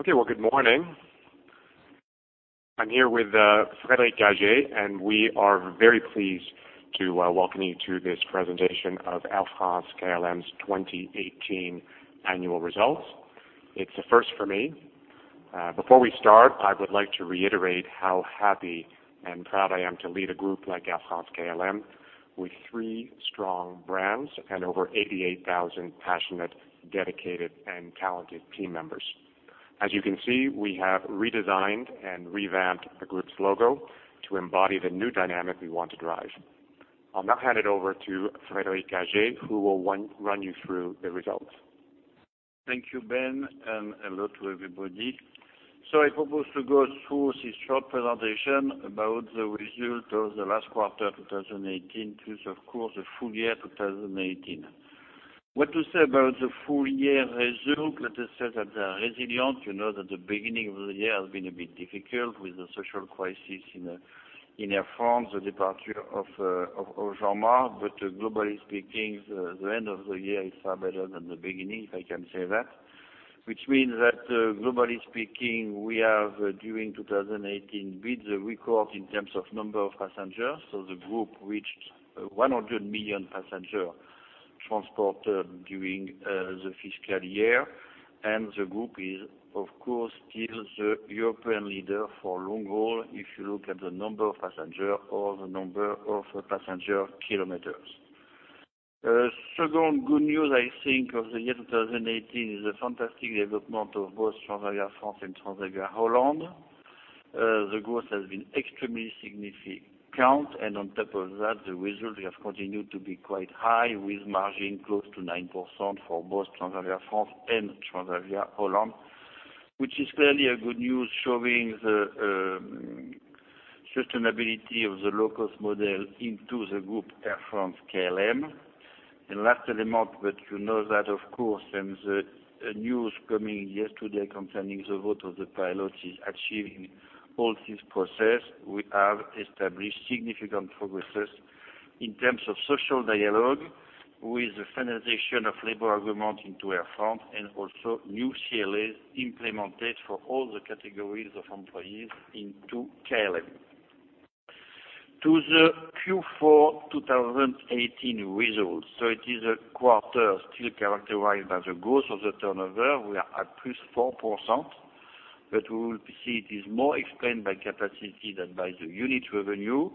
Okay. Well, good morning. I'm here with Frédéric Gagey, and we are very pleased to welcome you to this presentation of Air France-KLM's 2018 annual results. It's a first for me. Before we start, I would like to reiterate how happy and proud I am to lead a group like Air France-KLM, with three strong brands and over 88,000 passionate, dedicated, and talented team members. As you can see, we have redesigned and revamped the group's logo to embody the new dynamic we want to drive. I'll now hand it over to Frédéric Gagey, who will run you through the results. Thank you, Ben, hello to everybody. I propose to go through this short presentation about the result of the last quarter 2018, plus, of course, the full year 2018. What to say about the full year result? Let us say that they are resilient. You know that the beginning of the year has been a bit difficult with the social crisis in Air France, the departure of Jean-Marc. Globally speaking, the end of the year is far better than the beginning, if I can say that. Which means that, globally speaking, we have, during 2018, beat the record in terms of number of passengers. The group reached 100 million passenger transported during the fiscal year. The group is, of course, still the European leader for long haul, if you look at the number of passenger or the number of passenger kilometers. Second good news, I think, of the year 2018 is a fantastic development of both Transavia France and Transavia Holland. The growth has been extremely significant, and on top of that, the results have continued to be quite high, with margin close to 9% for both Transavia France and Transavia Holland, which is clearly a good news showing the sustainability of the low-cost model into the group Air France-KLM. Last element, you know that, of course, the news coming yesterday concerning the vote of the pilots is achieving all this process. We have established significant progresses in terms of social dialogue with the finalization of labor agreement into Air France and also new CLAs implemented for all the categories of employees into KLM. To the Q4 2018 results. It is a quarter still characterized by the growth of the turnover. We are at plus 4%, we will see it is more explained by capacity than by the unit revenue.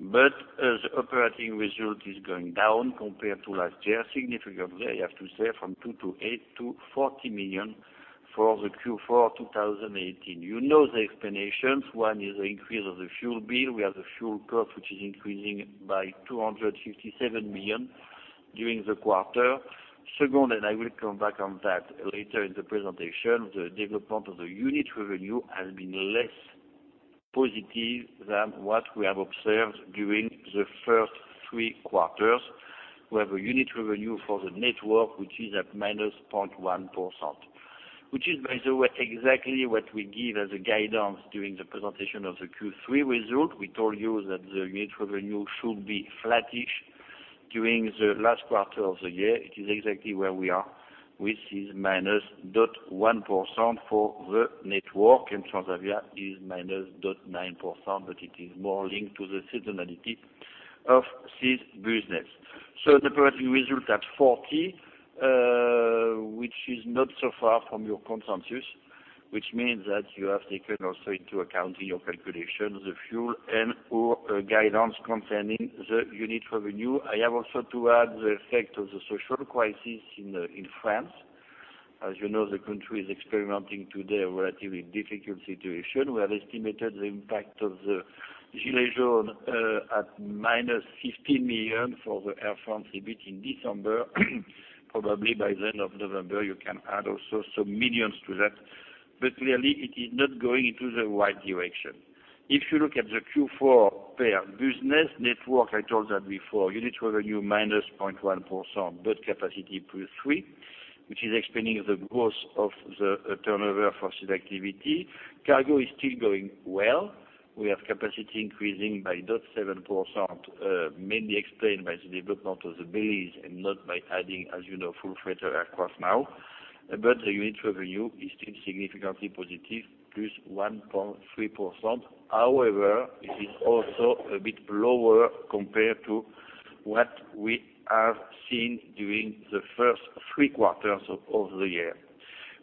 As operating result is going down compared to last year significantly, I have to say, from 208 million to 40 million for the Q4 2018. You know the explanations. One is the increase of the fuel bill. We have the fuel cost, which is increasing by 257 million during the quarter. Second, I will come back on that later in the presentation, the development of the unit revenue has been less positive than what we have observed during the first three quarters. We have a unit revenue for the network, which is at minus 0.1%, which is, by the way, exactly what we give as a guidance during the presentation of the Q3 result. We told you that the unit revenue should be flattish during the last quarter of the year. It is exactly where we are, which is -0.1% for the network, and Transavia is -0.9%, but it is more linked to the seasonality of this business. The operating result at 40, which is not so far from your consensus, which means that you have taken also into account in your calculations the fuel and/or guidance concerning the unit revenue. I have also to add the effect of the social crisis in France. As you know, the country is experimenting today a relatively difficult situation. We have estimated the impact of the gilets jaunes at -50 million for the Air France EBITDA in December. Probably by the end of November, you can add also some millions to that. Clearly, it is not going into the right direction. If you look at the Q4 per business network, I told that before, unit revenue -0.1%, but capacity +3%, which is explaining the growth of the turnover for this activity. Cargo is still going well. We have capacity increasing by 0.7%, mainly explained by the development of the bellies and not by adding, as you know, full freighter aircraft now. The unit revenue is still significantly positive, +1.3%. However, it is also a bit lower compared to what we have seen during the first three quarters of the year,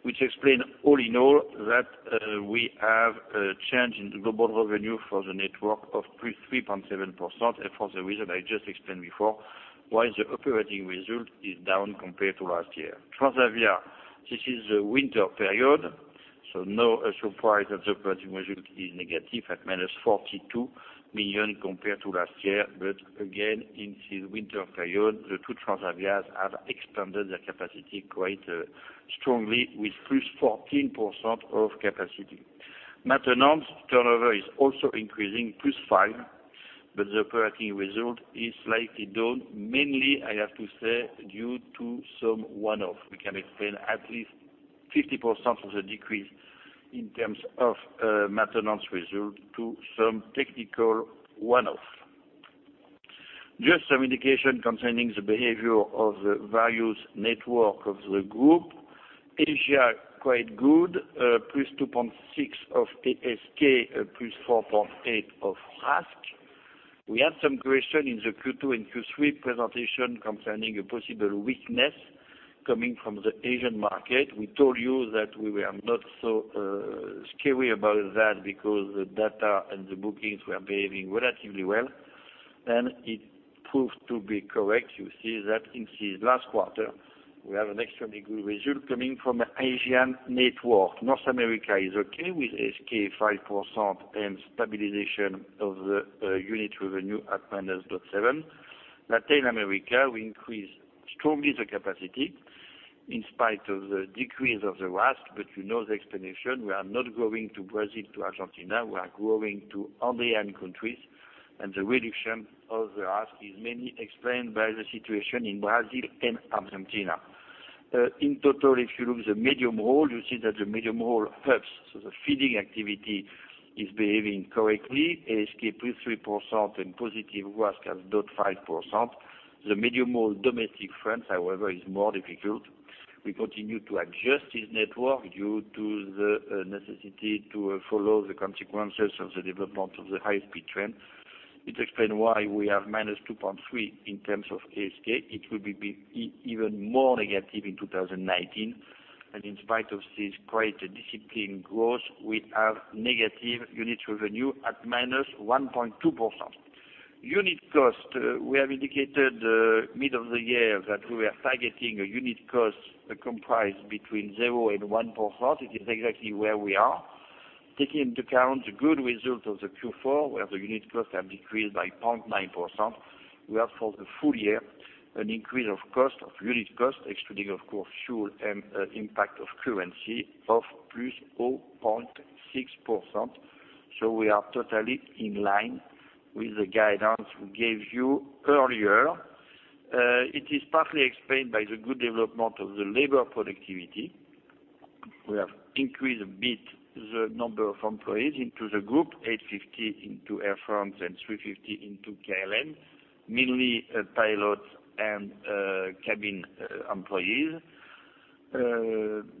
which explain all in all that we have a change in the global revenue for the network of +3.7%, and for the reason I just explained before, why the operating result is down compared to last year. Transavia, this is the winter period, so no surprise that the operating result is negative at -42 million compared to last year. Again, in this winter period, the two Transavias have expanded their capacity quite strongly with +14% of capacity. Maintenance turnover is also increasing, +5%, but the operating result is slightly down, mainly, I have to say, due to some one-off. We can explain at least 50% of the decrease in terms of maintenance result to some technical one-off. Just some indication concerning the behavior of the values network of the group. Asia, quite good, +2.6% of ASK, +4.8% of RASK. We had some question in the Q2 and Q3 presentation concerning a possible weakness coming from the Asian market. We told you that we were not so scary about that because the data and the bookings were behaving relatively well, and it proved to be correct. You see that in this last quarter, we have an extremely good result coming from Asian network. North America is okay with ASK +5% and stabilization of the unit revenue at -0.7%. Latin America, we increase strongly the capacity in spite of the decrease of the RASK, but you know the explanation. We are not growing to Brazil, to Argentina. We are growing to Andean countries, and the reduction of the RASK is mainly explained by the situation in Brazil and Argentina. In total, if you look the medium haul, you see that the medium haul hubs, so the feeding activity, is behaving correctly. ASK +3% and positive RASK at 0.5%. The medium haul domestic France, however, is more difficult. We continue to adjust this network due to the necessity to follow the consequences of the development of the high-speed train. It explains why we have -2.3% in terms of ASK. It will be even more negative in 2019. In spite of this quite disciplined growth, we have negative unit revenue at -1.2%. Unit cost, we have indicated mid-year that we are targeting a unit cost comprised between 0% and 1%. It is exactly where we are. Taking into account the good result of the Q4, where the unit cost have decreased by 0.9%, we have for the full year, an increase of unit cost, excluding, of course, fuel and impact of currency of +0.6%. We are totally in line with the guidance we gave you earlier. It is partly explained by the good development of the labor productivity. We have increased a bit the number of employees into the group, 850 into Air France and 350 into KLM, mainly pilots and cabin employees,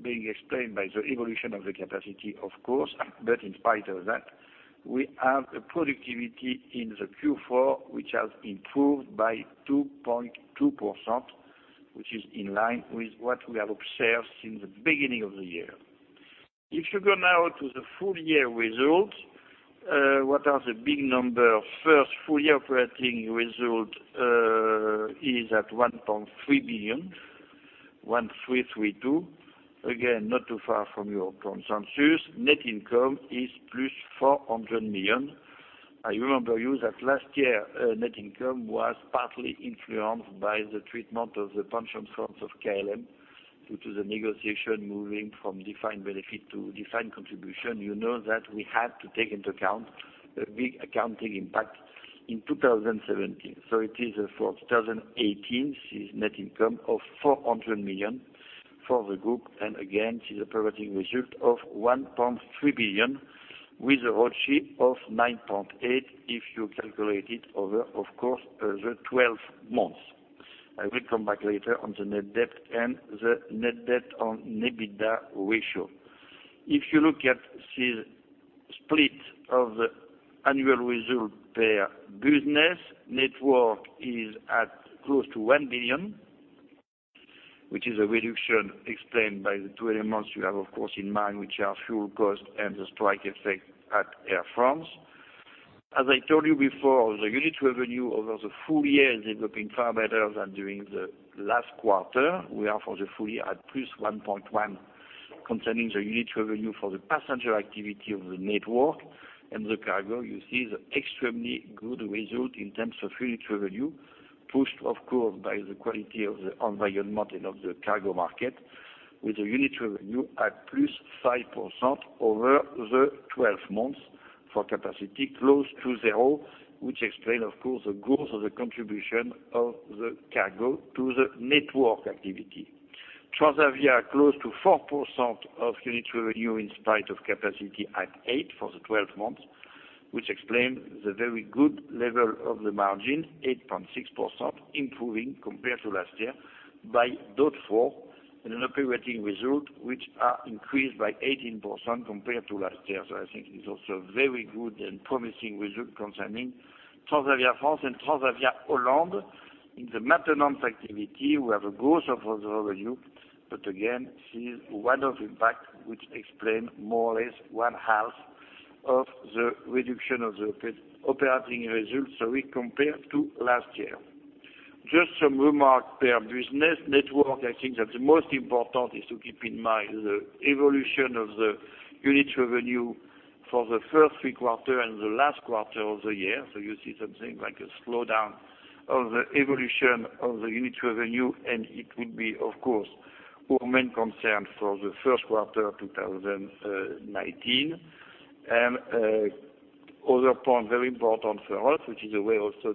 being explained by the evolution of the capacity, of course. In spite of that, we have a productivity in the Q4, which has improved by 2.2%, which is in line with what we have observed since the beginning of the year. If you go now to the full-year results, what are the big numbers? First full-year operating result is at 1.3 billion, 1,332 million. Again, not too far from your consensus. Net income is 400 million. I remind you that last year, net income was partly influenced by the treatment of the pension funds of KLM due to the negotiation moving from defined benefit to defined contribution. You know that we had to take into account a big accounting impact in 2017. It is for 2018, this net income of 400 million for the group, and again, this is operating result of 1.3 billion with a ROCE of 9.8% if you calculate it over, of course, the 12 months. I will come back later on the net debt and the net debt on EBITDA ratio. If you look at this split of the annual result per business, network is at close to 1 billion, which is a reduction explained by the two elements you have, of course, in mind, which are fuel cost and the strike effect at Air France. As I told you before, the unit revenue over the full year is developing far better than during the last quarter. We are for the full year at +1.1% concerning the unit revenue for the passenger activity of the network and the cargo. You see the extremely good result in terms of unit revenue, pushed, of course, by the quality of the environment and of the cargo market with the unit revenue at +5% over the 12 months for capacity close to zero, which explains, of course, the growth of the contribution of the cargo to the network activity. Transavia close to 4% of unit revenue in spite of capacity at 8% for the 12 months, which explains the very good level of the margin, 8.6% improving compared to last year by 0.4 percentage points in an operating result, which has increased by 18% compared to last year. I think it's also very good and promising result concerning Transavia France and Transavia Holland. In the maintenance activity, we have a growth of the revenue, but again, this is one-off impact, which explain more or less one half of the reduction of the operating results which we compared to last year. Just some remark per business. Network, I think that the most important is to keep in mind the evolution of the unit revenue for the first three quarter and the last quarter of the year. You see something like a slowdown of the evolution of the unit revenue, and it would be, of course, our main concern for the first quarter of 2019. Other point very important for us, which is a way also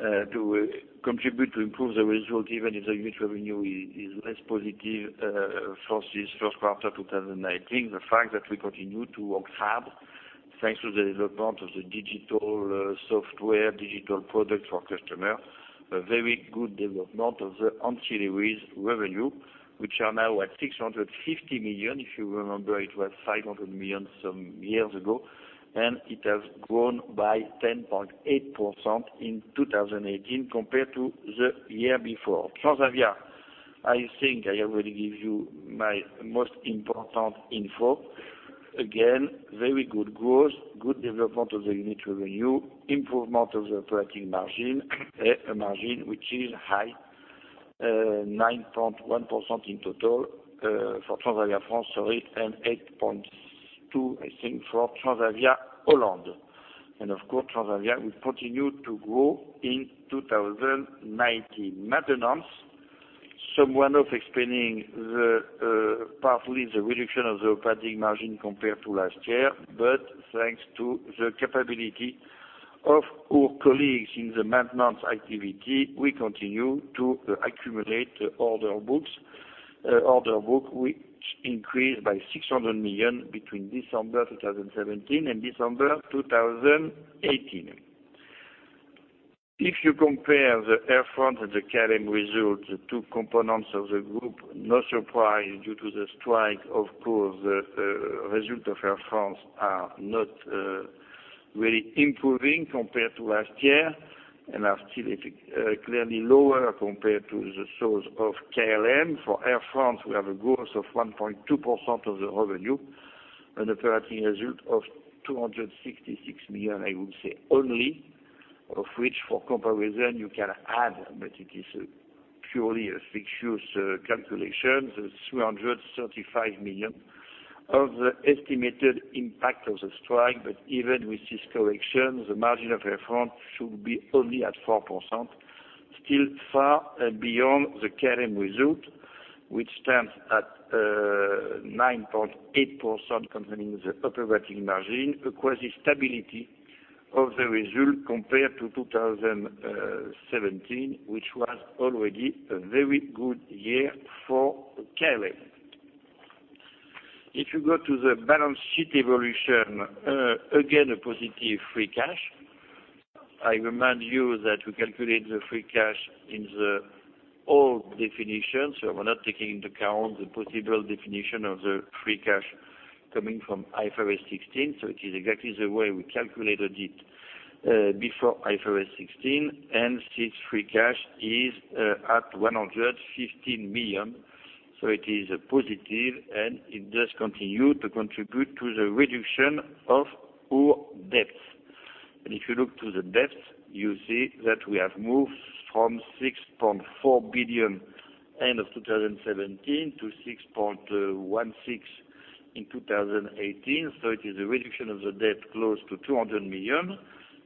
to contribute to improve the result, even if the unit revenue is less positive for this first quarter of 2019. The fact that we continue to work hard, thanks to the development of the digital software, digital product for customer, a very good development of the ancillary revenue, which are now at 650 million. If you remember, it was 500 million some years ago, and it has grown by 10.8% in 2018 compared to the year before. Transavia, I think I already gave you my most important info. Again, very good growth, good development of the unit revenue, improvement of the operating margin, a margin which is high, 9.1% in total for Transavia France, sorry, and 8.2%, I think, for Transavia Holland. Transavia will continue to grow in 2019. Maintenance, somewhat of explaining partly the reduction of the operating margin compared to last year, but thanks to the capability of our colleagues in the maintenance activity, we continue to accumulate the order book, which increased by 600 million between December 2017 and December 2018. If you compare the Air France and the KLM results, the two components of the group, no surprise, due to the strike, of course, the result of Air France are not really improving compared to last year and are still clearly lower compared to the sales of KLM. For Air France, we have a growth of 1.2% of the revenue, an operating result of 266 million, I would say only, of which, for comparison, you can add, but it is purely a fictitious calculation. The 335 million of the estimated impact of the strike. Even with this correction, the margin of Air France should be only at 4%, still far beyond the KLM result, which stands at 9.8% concerning the operating margin, a quasi-stability of the result compared to 2017, which was already a very good year for KLM. If you go to the balance sheet evolution, again, a positive free cash. I remind you that we calculate the free cash in the old definition, so we're not taking into account the possible definition of the free cash coming from IFRS 16. So it is exactly the way we calculated it before IFRS 16, and this free cash is at 115 million. So it is positive, and it does continue to contribute to the reduction of our debt. If you look to the debt, you see that we have moved from 6.4 billion end of 2017 to 6.16 in 2018. It is a reduction of the debt close to 200 million,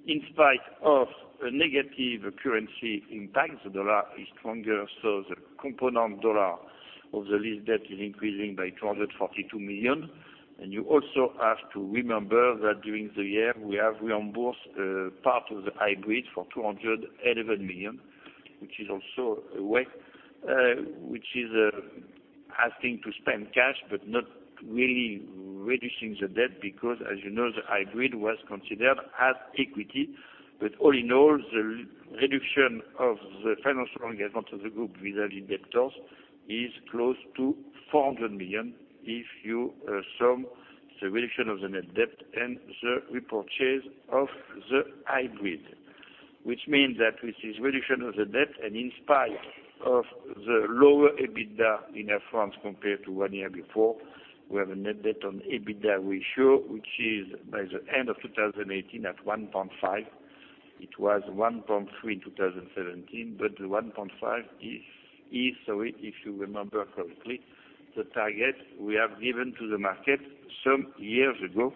in spite of a negative currency impact. The dollar is stronger, the component dollar of the lease debt is increasing by $242 million. You also have to remember that during the year, we have reimbursed part of the hybrid for 211 million, which is asking to spend cash but not really reducing the debt because as you know, the hybrid was considered as equity. All in all, the reduction of the financial engagement of the group vis-à-vis debtors is close to 400 million if you sum the reduction of the net debt and the repurchase of the hybrid. Which means that with this reduction of the debt, and in spite of the lower EBITDA in Air France compared to one year before, we have a net debt on EBITDA ratio, which is by the end of 2018 at 1.5. It was 1.3 in 2017, the 1.5 is, sorry, if you remember correctly, the target we have given to the market some years ago,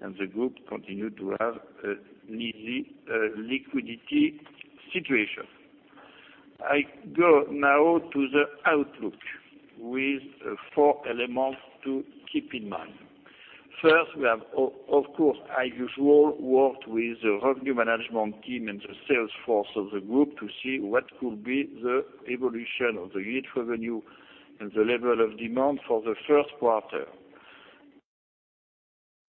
and the group continued to have an easy liquidity situation. I go now to the outlook with four elements to keep in mind. First, we have, of course, as usual, worked with the revenue management team and the sales force of the group to see what could be the evolution of the unit revenue and the level of demand for the first quarter.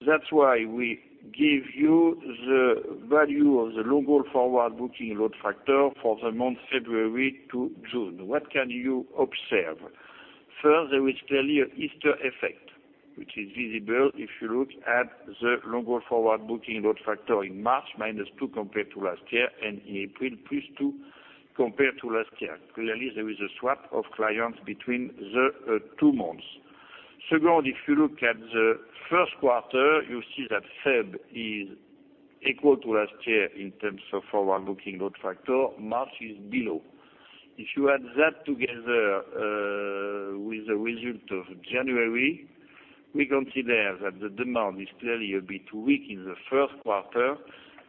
That's why we give you the value of the long-haul forward booking load factor for the month February to June. What can you observe? First, there is clearly an Easter effect, which is visible if you look at the long-haul forward booking load factor in March, -2 compared to last year, and in April, +2 compared to last year. Clearly, there is a swap of clients between the two months. Second, if you look at the first quarter, you see that February is equal to last year in terms of forward booking load factor. March is below. If you add that together with the result of January, we consider that the demand is clearly a bit weak in the first quarter,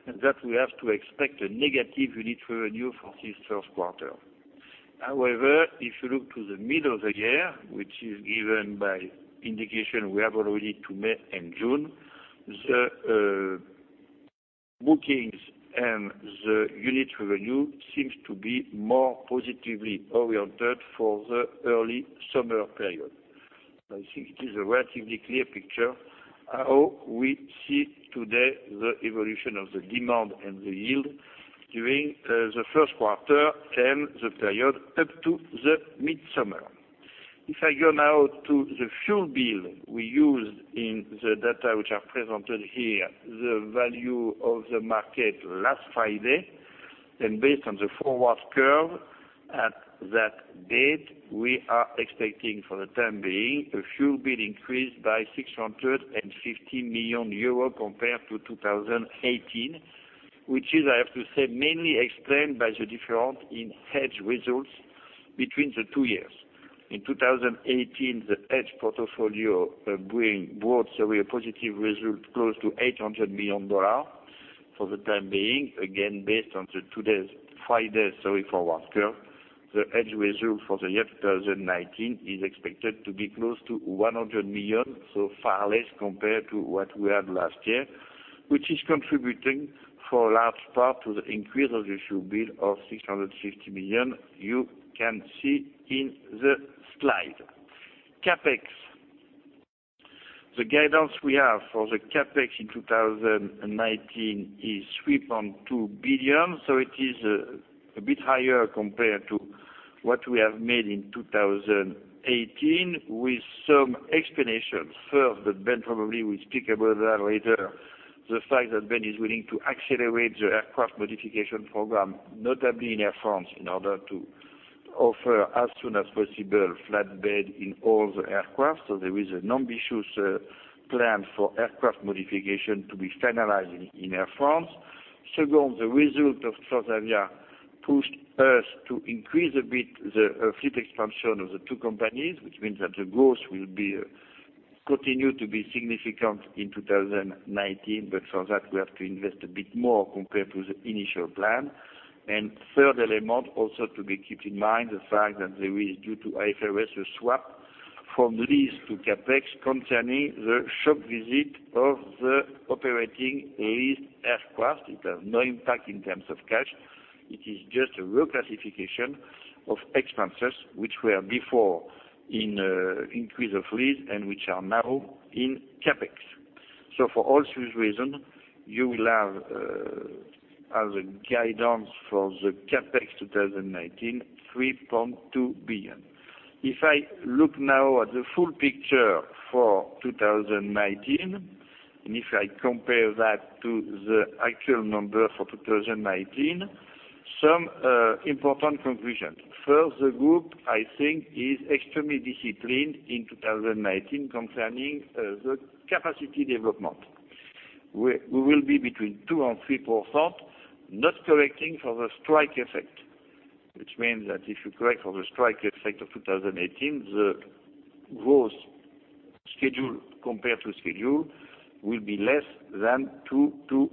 that we have to expect a negative unit revenue for this first quarter. However, if you look to the middle of the year, which is given by indication we have already to May and June, the bookings and the unit revenue seems to be more positively oriented for the early summer period. I think it is a relatively clear picture how we see today the evolution of the demand and the yield during the first quarter and the period up to the midsummer. If I go now to the fuel bill, we used in the data, which are presented here, the value of the market last Friday, based on the forward curve at that date, we are expecting for the time being, a fuel bill increase by 650 million euros compared to 2018, which is, I have to say, mainly explained by the difference in hedge results between the two years. In 2018, the hedge portfolio brought a positive result close to EUR 800 million. For the time being, again, based on today's, Friday's forward curve, the hedge result for the year 2019 is expected to be close to 100 million, so far less compared to what we had last year, which is contributing for a large part to the increase of the fuel bill of 650 million you can see in the slide. CapEx. The guidance we have for the CapEx in 2019 is 3.2 billion. It is a bit higher compared to what we have made in 2018 with some explanations. First, Ben probably will speak about that later, the fact that Ben is willing to accelerate the aircraft modification program, notably in Air France, in order to offer, as soon as possible, flatbed in all the aircrafts. There is an ambitious plan for aircraft modification to be finalized in Air France. Second, the result of Transavia pushed us to increase a bit the fleet expansion of the two companies, which means that the growth will continue to be significant in 2019. For that, we have to invest a bit more compared to the initial plan. Third element also to be kept in mind, the fact that there is, due to IFRS, a swap from lease to CapEx concerning the shop visit of the operating lease aircraft. It has no impact in terms of cash. It is just a reclassification of expenses, which were before in increase of lease, and which are now in CapEx. For all these reasons, you will have as a guidance for the CapEx 2019, 3.2 billion. If I look now at the full picture for 2019, if I compare that to the actual number for 2019, some important conclusions. First, the group, I think, is extremely disciplined in 2019 concerning the capacity development. We will be between 2% and 3%, not correcting for the strike effect, which means that if you correct for the strike effect of 2018, the growth compared to schedule will be less than 2%-3%.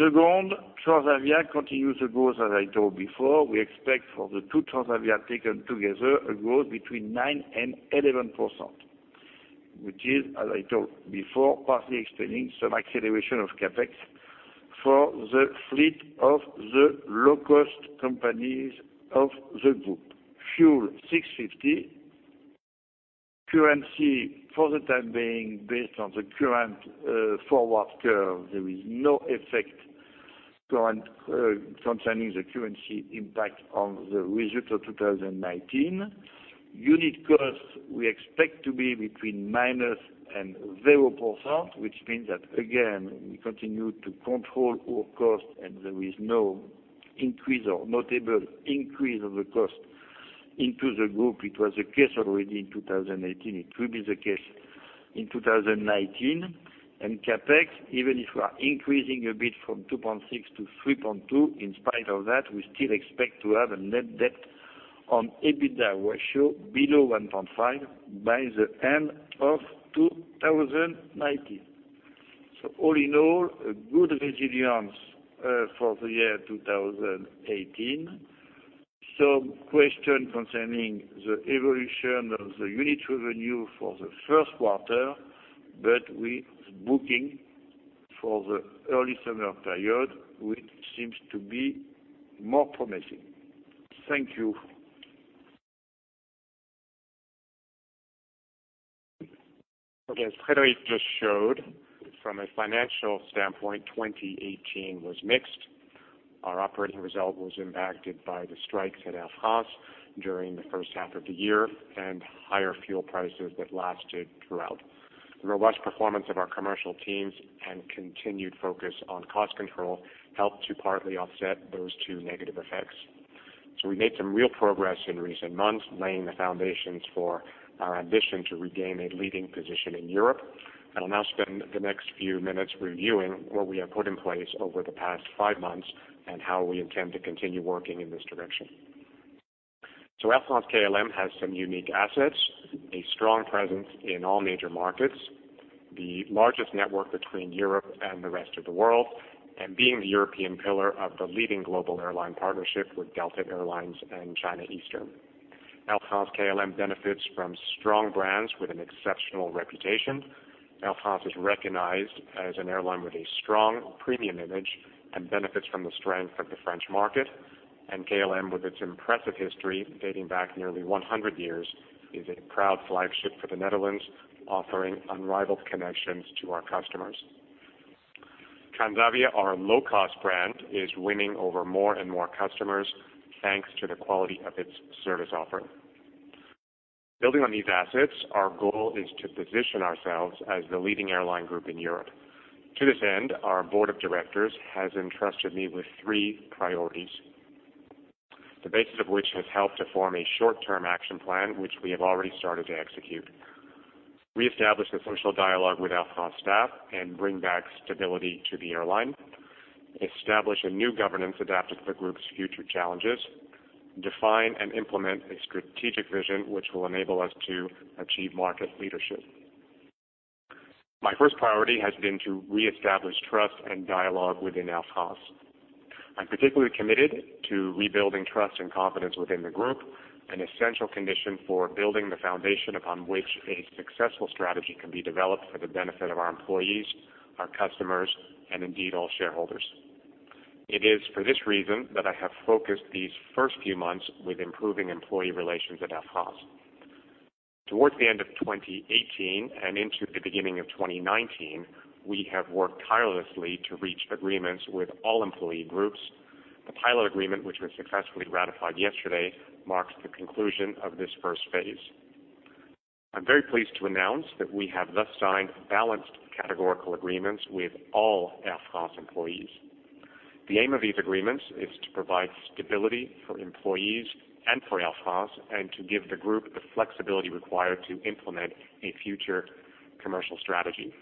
Second, Transavia continues the growth, as I told before. We expect for the two Transavia taken together, a growth between 9% and 11%, which is, as I told before, partly explaining some acceleration of CapEx for the fleet of the low-cost companies of the group. Fuel, 650 million. Currency, for the time being, based on the current forward curve, there is no effect concerning the currency impact on the result of 2019. Unit cost, we expect to be between minus and 0%, which means that, again, we continue to control our cost, there is no increase or notable increase of the cost into the group. It was the case already in 2018. It will be the case in 2019. CapEx, even if we are increasing a bit from 2.6 to 3.2, in spite of that, we still expect to have a net debt on EBITDA ratio below 1.5 by the end of 2019. All in all, a good resilience for the year 2018. Some question concerning the evolution of the unit revenue for the first quarter, but with booking for the early summer period, which seems to be more promising. Thank you. Okay. As Frédéric just showed, from a financial standpoint, 2018 was mixed. Our operating result was impacted by the strikes at Air France during the first half of the year and higher fuel prices that lasted throughout. The robust performance of our commercial teams and continued focus on cost control helped to partly offset those two negative effects. We made some real progress in recent months, laying the foundations for our ambition to regain a leading position in Europe. I will now spend the next few minutes reviewing what we have put in place over the past five months and how we intend to continue working in this direction. Air France-KLM has some unique assets, a strong presence in all major markets, the largest network between Europe and the rest of the world, and being the European pillar of the leading global airline partnership with Delta Air Lines and China Eastern. Air France-KLM benefits from strong brands with an exceptional reputation. Air France is recognized as an airline with a strong premium image and benefits from the strength of the French market. KLM, with its impressive history dating back nearly 100 years, is a proud flagship for the Netherlands, offering unrivaled connections to our customers. Transavia, our low-cost brand, is winning over more and more customers thanks to the quality of its service offering. Building on these assets, our goal is to position ourselves as the leading airline group in Europe. To this end, our board of directors has entrusted me with three priorities, the basis of which has helped to form a short-term action plan, which we have already started to execute. Reestablish the social dialogue with Air France staff and bring back stability to the airline. Establish a new governance adapted for group's future challenges. Define and implement a strategic vision which will enable us to achieve market leadership. My first priority has been to reestablish trust and dialogue within Air France. I'm particularly committed to rebuilding trust and confidence within the group, an essential condition for building the foundation upon which a successful strategy can be developed for the benefit of our employees, our customers, and indeed, all shareholders. It is for this reason that I have focused these first few months with improving employee relations at Air France. Towards the end of 2018 and into the beginning of 2019, we have worked tirelessly to reach agreements with all employee groups. The pilot agreement, which was successfully ratified yesterday, marks the conclusion of this first phase. I'm very pleased to announce that we have thus signed balanced categorical agreements with all Air France employees. The aim of these agreements is to provide stability for employees and for Air France, and to give the group the flexibility required to implement a future commercial strategy.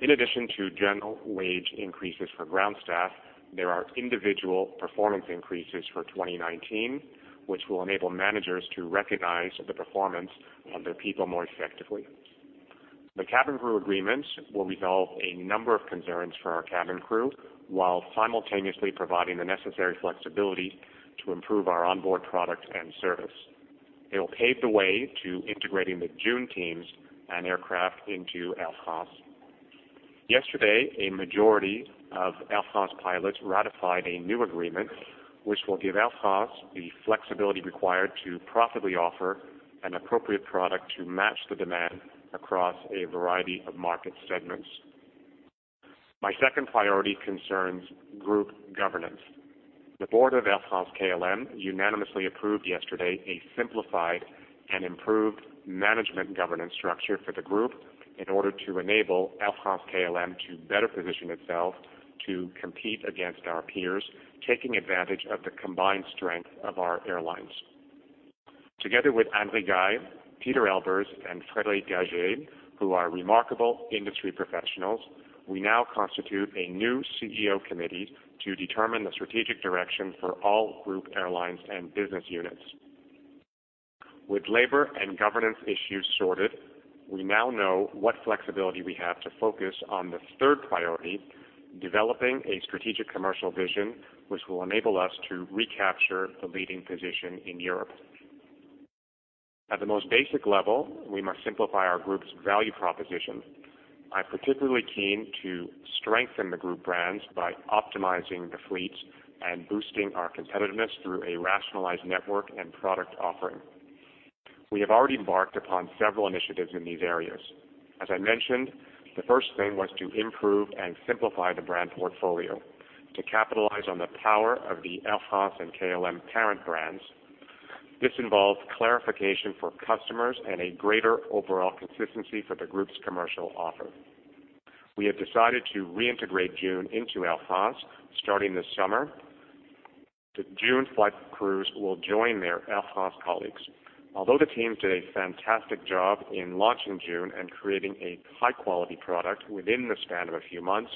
In addition to general wage increases for ground staff, there are individual performance increases for 2019, which will enable managers to recognize the performance of their people more effectively. The cabin crew agreements will resolve a number of concerns for our cabin crew, while simultaneously providing the necessary flexibility to improve our onboard product and service. It will pave the way to integrating the Joon teams and aircraft into Air France. Yesterday, a majority of Air France pilots ratified a new agreement, which will give Air France the flexibility required to profitably offer an appropriate product to match the demand across a variety of market segments. My second priority concerns group governance. The board of Air France-KLM unanimously approved yesterday a simplified and improved management governance structure for the group in order to enable Air France-KLM to better position itself to compete against our peers, taking advantage of the combined strength of our airlines. Together with Anne Rigail, Pieter Elbers, and Frédéric Gagey, who are remarkable industry professionals, we now constitute a new CEO committee to determine the strategic direction for all group airlines and business units. With labor and governance issues sorted, we now know what flexibility we have to focus on the third priority, developing a strategic commercial vision, which will enable us to recapture the leading position in Europe. At the most basic level, we must simplify our group's value proposition. I'm particularly keen to strengthen the group brands by optimizing the fleets and boosting our competitiveness through a rationalized network and product offering. We have already embarked upon several initiatives in these areas. As I mentioned, the first thing was to improve and simplify the brand portfolio to capitalize on the power of the Air France and KLM parent brands. This involves clarification for customers and a greater overall consistency for the group's commercial offer. We have decided to reintegrate Joon into Air France starting this summer. The Joon flight crews will join their Air France colleagues. Although the team did a fantastic job in launching Joon and creating a high-quality product within the span of a few months,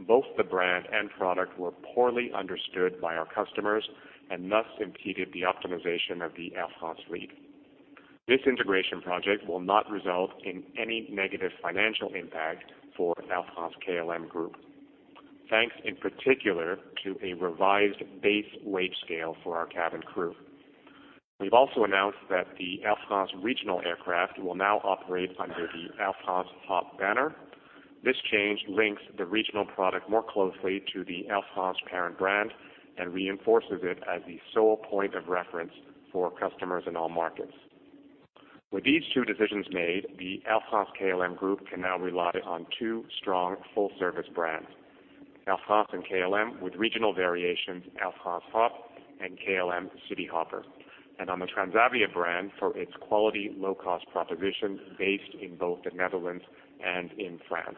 both the brand and product were poorly understood by our customers and thus impeded the optimization of the Air France fleet. This integration project will not result in any negative financial impact for Air France-KLM Group, thanks in particular to a revised base wage scale for our cabin crew. We've also announced that the Air France regional aircraft will now operate under the Air France Hop banner. This change links the regional product more closely to the Air France parent brand and reinforces it as the sole point of reference for customers in all markets. With these two decisions made, the Air France-KLM Group can now rely on two strong full-service brands, Air France and KLM, with regional variations, Air France Hop and KLM Cityhopper, and on the Transavia brand for its quality low-cost proposition based in both the Netherlands and in France.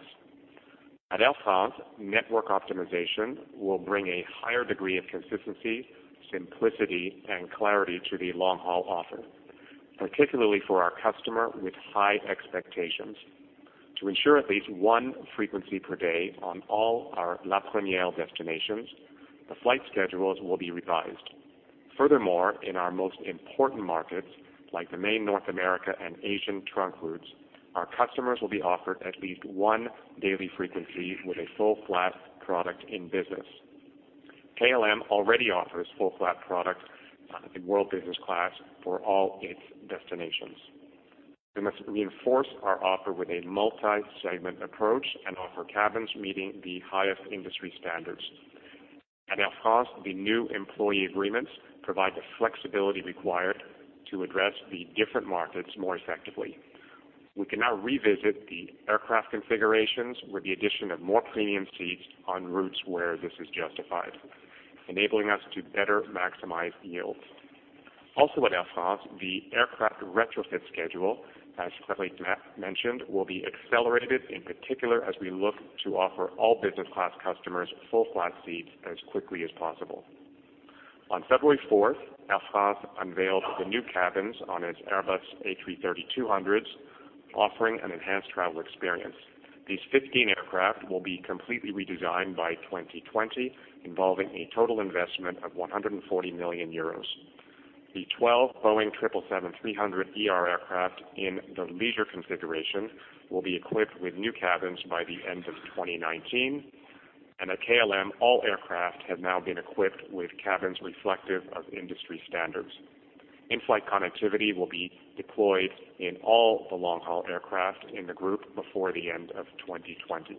At Air France, network optimization will bring a higher degree of consistency, simplicity, and clarity to the long-haul offer, particularly for our customer with high expectations. To ensure at least one frequency per day on all our La Première destinations, the flight schedules will be revised. In our most important markets, like the main North America and Asian trunk routes, our customers will be offered at least one daily frequency with a full-flat product in business. KLM already offers full-flat product in World Business Class for all its destinations. We must reinforce our offer with a multi-segment approach and offer cabins meeting the highest industry standards. At Air France, the new employee agreements provide the flexibility required to address the different markets more effectively. We can now revisit the aircraft configurations with the addition of more premium seats on routes where this is justified, enabling us to better maximize yields. Also at Air France, the aircraft retrofit schedule, as Nathalie mentioned, will be accelerated, in particular, as we look to offer all business class customers full-flat seats as quickly as possible. On February 4th, Air France unveiled the new cabins on its Airbus A330-200s, offering an enhanced travel experience. These 15 aircraft will be completely redesigned by 2020, involving a total investment of 140 million euros. The 12 Boeing 777-300ER aircraft in the leisure configuration will be equipped with new cabins by the end of 2019, and at KLM, all aircraft have now been equipped with cabins reflective of industry standards. In-flight connectivity will be deployed in all the long-haul aircraft in the group before the end of 2020.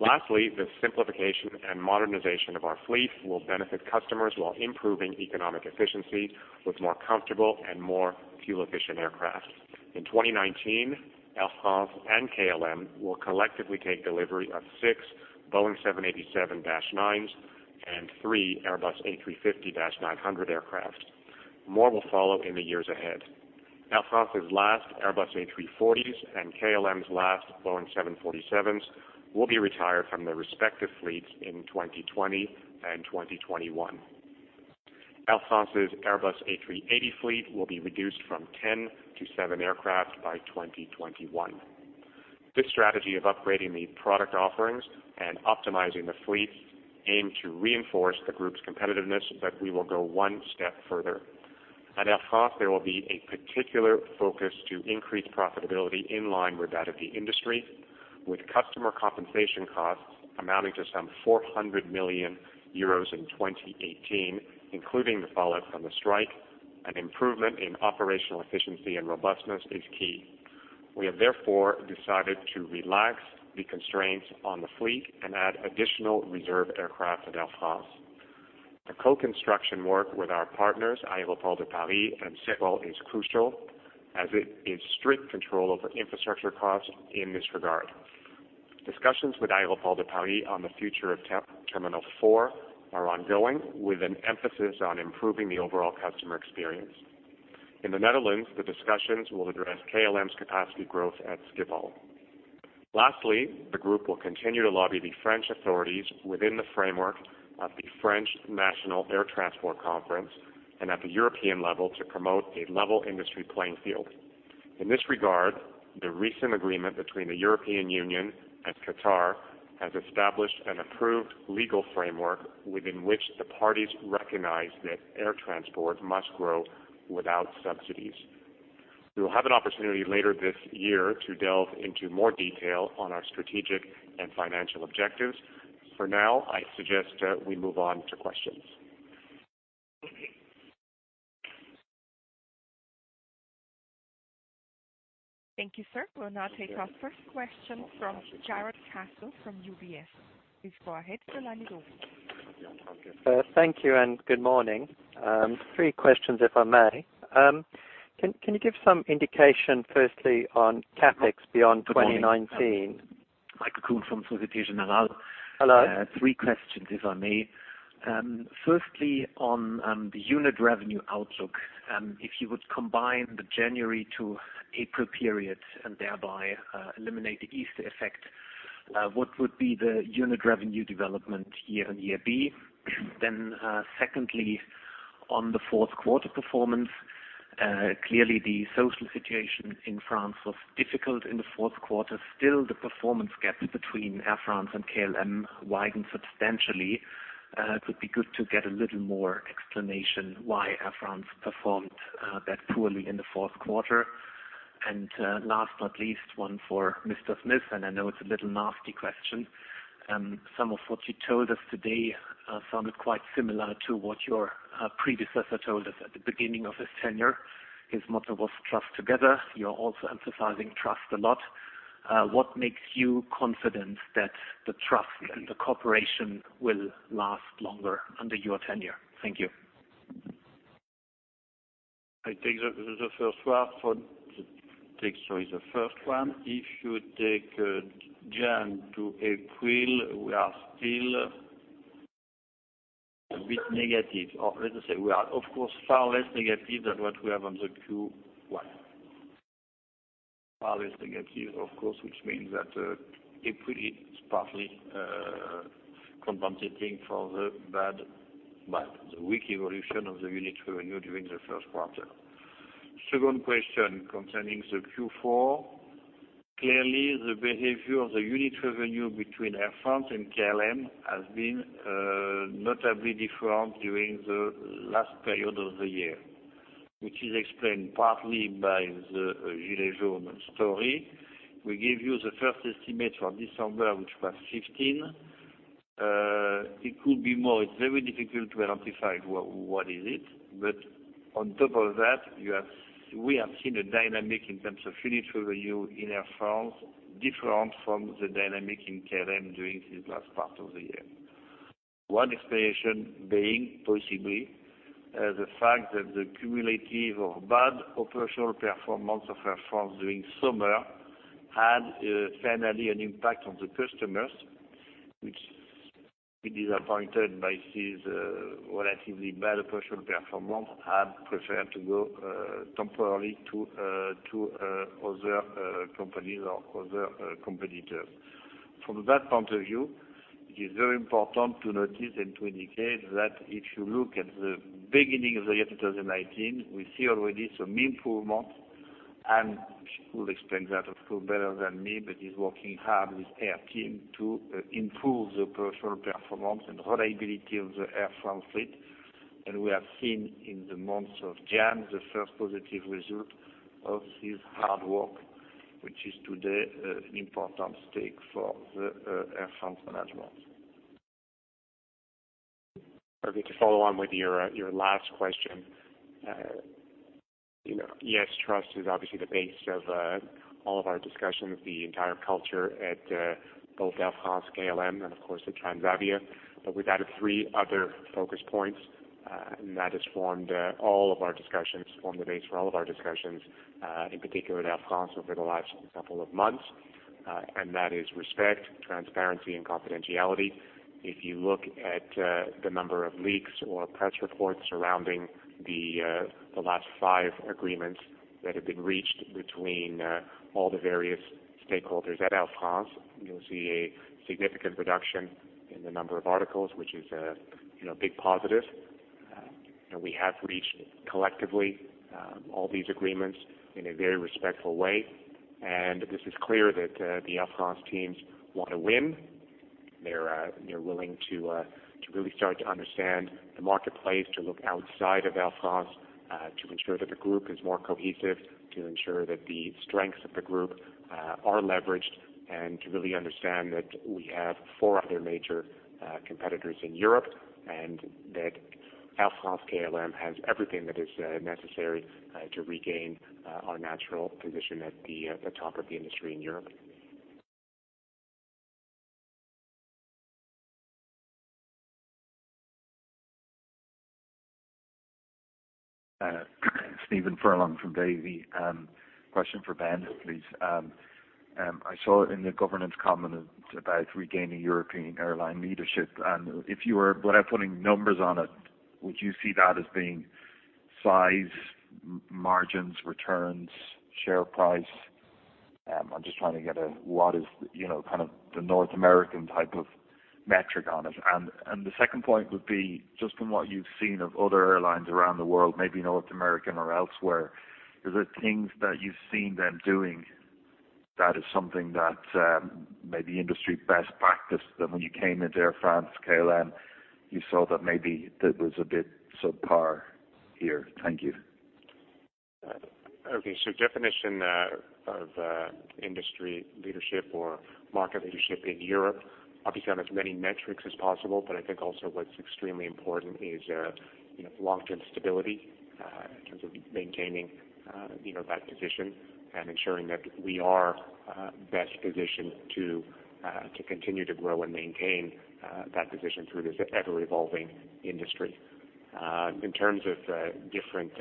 The simplification and modernization of our fleet will benefit customers while improving economic efficiency with more comfortable and more fuel-efficient aircraft. In 2019, Air France and KLM will collectively take delivery of six Boeing 787-9s and three Airbus A350-900 aircraft. More will follow in the years ahead. Air France's last Airbus A340s and KLM's last Boeing 747s will be retired from their respective fleets in 2020 and 2021. Air France's Airbus A380 fleet will be reduced from 10 to seven aircraft by 2021. This strategy of upgrading the product offerings and optimizing the fleet aims to reinforce the group's competitiveness. We will go one step further. At Air France, there will be a particular focus to increase profitability in line with that of the industry, with customer compensation costs amounting to some 400 million euros in 2018, including the fallout from the strike, an improvement in operational efficiency and robustness is key. We have therefore decided to relax the constraints on the fleet and add additional reserve aircraft at Air France. The co-construction work with our partners, Aéroports de Paris and Schiphol, is crucial, as is strict control over infrastructure costs in this regard. Discussions with Aéroports de Paris on the future of Terminal 4 are ongoing, with an emphasis on improving the overall customer experience. In the Netherlands, the discussions will address KLM's capacity growth at Schiphol. Lastly, the group will continue to lobby the French authorities within the framework of the French National Air Transport Conference and at the European level to promote a level industry playing field. In this regard, the recent agreement between the European Union and Qatar has established an approved legal framework within which the parties recognize that air transport must grow without subsidies. We will have an opportunity later this year to delve into more detail on our strategic and financial objectives. For now, I suggest we move on to questions. Thank you, sir. We will now take our first question from Jarrod Castle from UBS. Please go ahead. The line is open. Thank you, and good morning. Three questions, if I may. Can you give some indication, firstly, on CapEx beyond 2019? Good morning. Michael Kuhn from Société Générale. Hello. Three questions, if I may. Firstly, on the unit revenue outlook, if you would combine the January to April period and thereby eliminate the Easter effect, what would be the unit revenue development year-over-year be? Secondly, on the fourth quarter performance, clearly the social situation in France was difficult in the fourth quarter. Still, the performance gap between Air France and KLM widened substantially. It would be good to get a little more explanation why Air France performed that poorly in the fourth quarter. Last but not least, one for Mr. Smith, and I know it's a little nasty question. Some of what you told us today sounded quite similar to what your predecessor told us at the beginning of his tenure. His motto was "Trust Together." You're also emphasizing trust a lot. What makes you confident that the trust and the cooperation will last longer under your tenure? Thank you. I take the first one. If you take January to April, we are still a bit negative. Let us say, we are of course far less negative than what we have on the Q1. Far less negative, of course, which means that April is partly compensating for the weak evolution of the unit revenue during the first quarter. Second question concerning the Q4. Clearly, the behavior of the unit revenue between Air France and KLM has been notably different during the last period of the year, which is explained partly by the Gilets Jaunes story. We gave you the first estimate for December, which was 15%. It could be more. It's very difficult to identify what is it. On top of that, we have seen a dynamic in terms of unit revenue in Air France different from the dynamic in KLM during this last part of the year. One explanation being possibly the fact that the cumulative of bad operational performance of Air France during summer had finally an impact on the customers, who were disappointed by this relatively bad operational performance, have preferred to go temporarily to other companies or other competitors. From that point of view, it is very important to notice and to indicate that if you look at the beginning of the year 2019, we see already some improvement. Which will explain that, of course, better than me, but he's working hard with his team to improve the operational performance and reliability of the Air France fleet. We have seen in the months of January, the first positive result of his hard work, which is today an important stake for the Air France management. Perfect. To follow on with your last question. Yes, trust is obviously the base of all of our discussions, the entire culture at both Air France-KLM, and of course, at Transavia. We've added three other focus points, and that has formed all of our discussions, formed the base for all of our discussions, in particular at Air France over the last couple of months. That is respect, transparency, and confidentiality. If you look at the number of leaks or press reports surrounding the last 5 agreements that have been reached between all the various stakeholders at Air France, you'll see a significant reduction in the number of articles, which is a big positive. We have reached collectively, all these agreements in a very respectful way, and this is clear that the Air France teams want to win. They're willing to really start to understand the marketplace, to look outside of Air France, to ensure that the group is more cohesive, to ensure that the strengths of the group are leveraged, and to really understand that we have 4 other major competitors in Europe, and that Air France-KLM has everything that is necessary to regain our natural position at the top of the industry in Europe. Stephen Furlong from Davy. Question for Ben, please. I saw in the governance comment about regaining European airline leadership, and if you were, without putting numbers on it, would you see that as being size, margins, returns, share price? I'm just trying to get what is the North American type of metric on it. The second point would be, just from what you've seen of other airlines around the world, maybe North American or elsewhere, are there things that you've seen them doing that is something that may be industry best practice that when you came into Air France-KLM, you saw that maybe that was a bit subpar here? Thank you. Definition of industry leadership or market leadership in Europe, obviously on as many metrics as possible, but I think also what's extremely important is long-term stability in terms of maintaining that position and ensuring that we are best positioned to continue to grow and maintain that position through this ever-evolving industry. In terms of different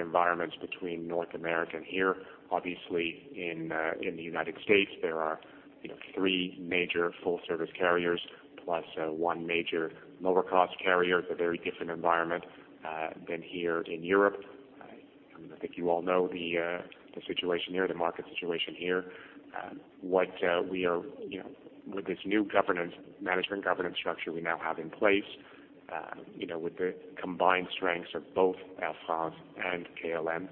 environments between North America and here, obviously in the U.S., there are three major full-service carriers plus one major lower cost carrier. It's a very different environment than here in Europe. I think you all know the situation here, the market situation here. With this new management governance structure we now have in place, with the combined strengths of both Air France and KLM,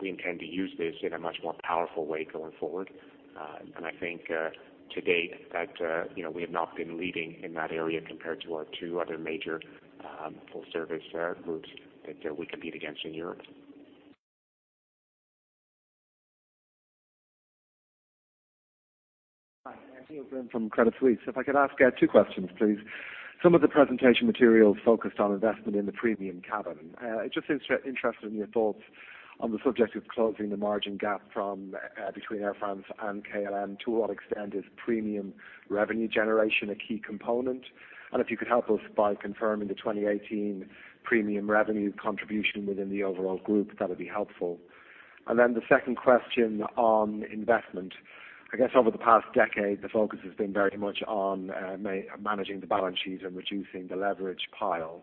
we intend to use this in a much more powerful way going forward. I think to date that we have not been leading in that area compared to our two other major full-service air groups that we compete against in Europe. Hi, Neil Glynn from Credit Suisse. If I could ask two questions, please. Some of the presentation materials focused on investment in the premium cabin. I just interested in your thoughts on the subject of closing the margin gap between Air France and KLM. To what extent is premium revenue generation a key component? If you could help us by confirming the 2018 premium revenue contribution within the overall group, that would be helpful. Then the second question on investment. I guess over the past decade, the focus has been very much on managing the balance sheet and reducing the leverage pile.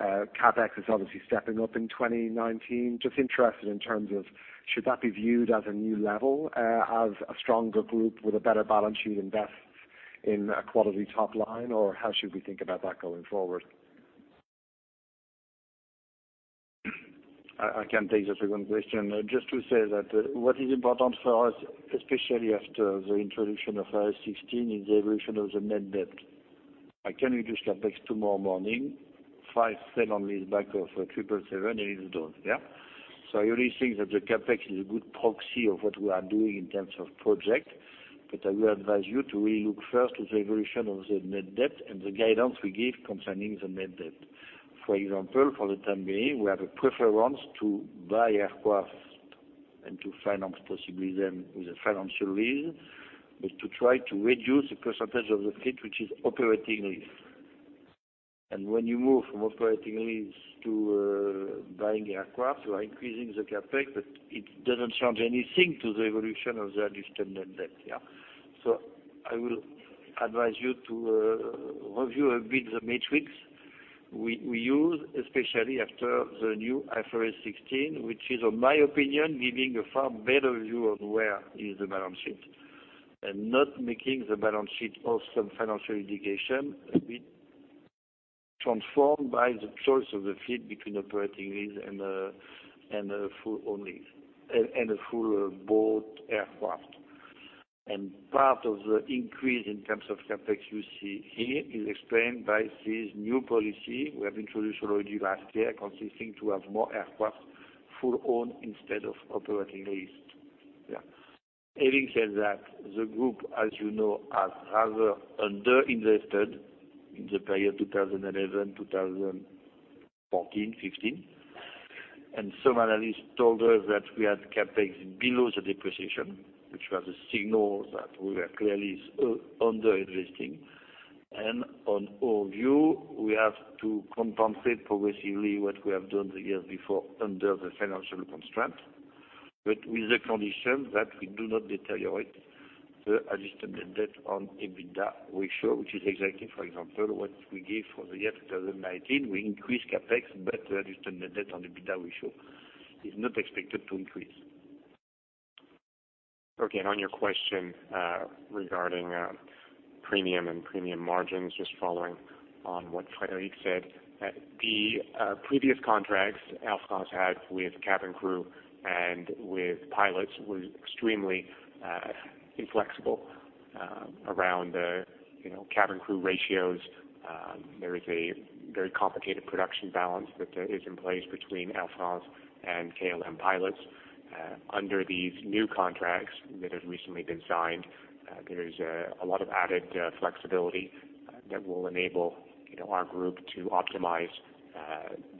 CapEx is obviously stepping up in 2019. Just interested in terms of should that be viewed as a new level as a stronger group with a better balance sheet invests in a quality top line, or how should we think about that going forward? I can take the second question. Just to say that what is important for us, especially after the introduction of IFRS 16, is the evolution of the net debt. I can reduce CapEx tomorrow morning, 0.05 on this back of Triple Seven and it's done. I really think that the CapEx is a good proxy of what we are doing in terms of project, but I will advise you to really look first at the evolution of the net debt and the guidance we give concerning the net debt. For example, for the time being, we have a preference to buy aircraft and to finance possibly them with a financial lease, but to try to reduce the percentage of the fleet, which is operating lease. When you move from operating lease to buying aircraft, you are increasing the CapEx, but it doesn't change anything to the evolution of the adjusted net debt. I will advise you to review a bit the matrix we use, especially after the new IFRS 16, which is, in my opinion, giving a far better view of where is the balance sheet and not making the balance sheet of some financial indication a bit transformed by the choice of the fleet between operating lease and a full bought aircraft. Part of the increase in terms of CapEx you see here is explained by this new policy we have introduced already last year, consisting to have more aircraft full owned instead of operating leased. Having said that, the group, as you know, has rather under-invested in the period 2011, 2014, 2015. Some analysts told us that we had CapEx below the depreciation, which was a signal that we were clearly under-investing. On our view, we have to compensate progressively what we have done the years before under the financial constraint. With the condition that we do not deteriorate the adjusted net debt on EBITDA ratio, which is exactly, for example, what we give for the year 2019. We increase CapEx, but the adjusted net debt on EBITDA ratio is not expected to increase. On your question regarding premium and premium margins, just following on what Frédéric said, the previous contracts Air France had with cabin crew and with pilots were extremely inflexible around cabin crew ratios. There is a very complicated production balance that is in place between Air France and KLM pilots. Under these new contracts that have recently been signed, there is a lot of added flexibility that will enable our group to optimize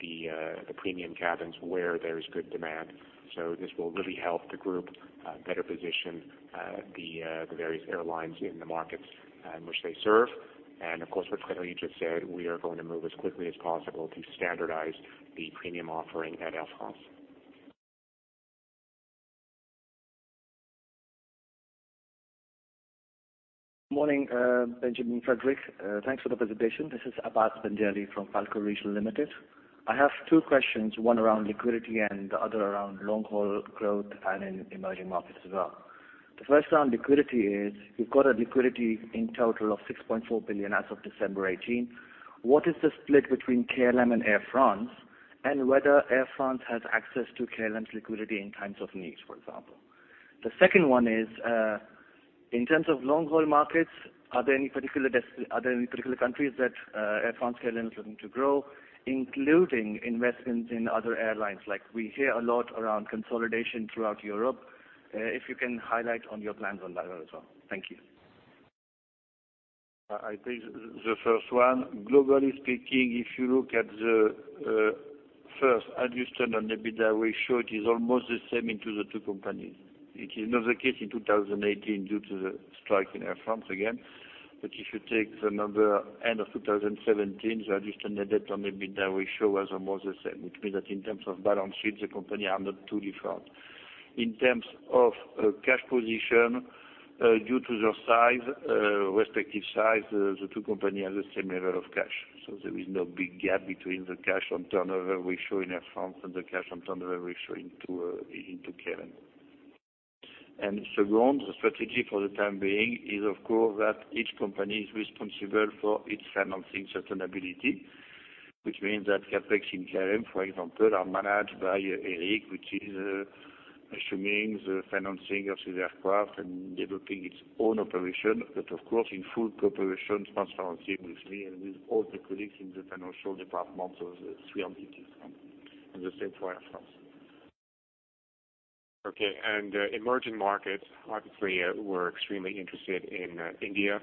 the premium cabins where there is good demand. This will really help the group better position the various airlines in the markets in which they serve. Of course, what Frédéric just said, we are going to move as quickly as possible to standardize the premium offering at Air France. Morning, Benjamin, Frédéric. Thanks for the presentation. This is Achal Kumar from Falcor Regional Limited. I have two questions, one around liquidity and the other around long-haul growth and in emerging markets as well. The first on liquidity is, you've got a liquidity in total of 6.4 billion as of December 2018. What is the split between KLM and Air France? Whether Air France has access to KLM's liquidity in times of need, for example. The second one is, in terms of long-haul markets, are there any particular countries that Air France-KLM is looking to grow, including investments in other airlines? We hear a lot around consolidation throughout Europe. If you can highlight on your plans on that as well. Thank you. I take the first one. Globally speaking, if you look at the first adjusted on EBITDA ratio, it is almost the same into the two companies. It is not the case in 2018 due to the strike in Air France again. If you take the number end of 2017, the adjusted net debt on EBITDA ratio was almost the same, which means that in terms of balance sheet, the company are not too different. In terms of cash position, due to their respective size, the two companies have the same level of cash. There is no big gap between the cash on turnover ratio in Air France and the cash on turnover ratio into KLM. Second, the strategy for the time being is, of course, that each company is responsible for its financing sustainability, which means that CapEx in KLM, for example, are managed by Erik, which is assuming the financing of his aircraft and developing its own operation. Of course, in full cooperation, transparency with me and with all the colleagues in the financial departments of the three entities and the same for Air France. Emerging markets, obviously, we're extremely interested in India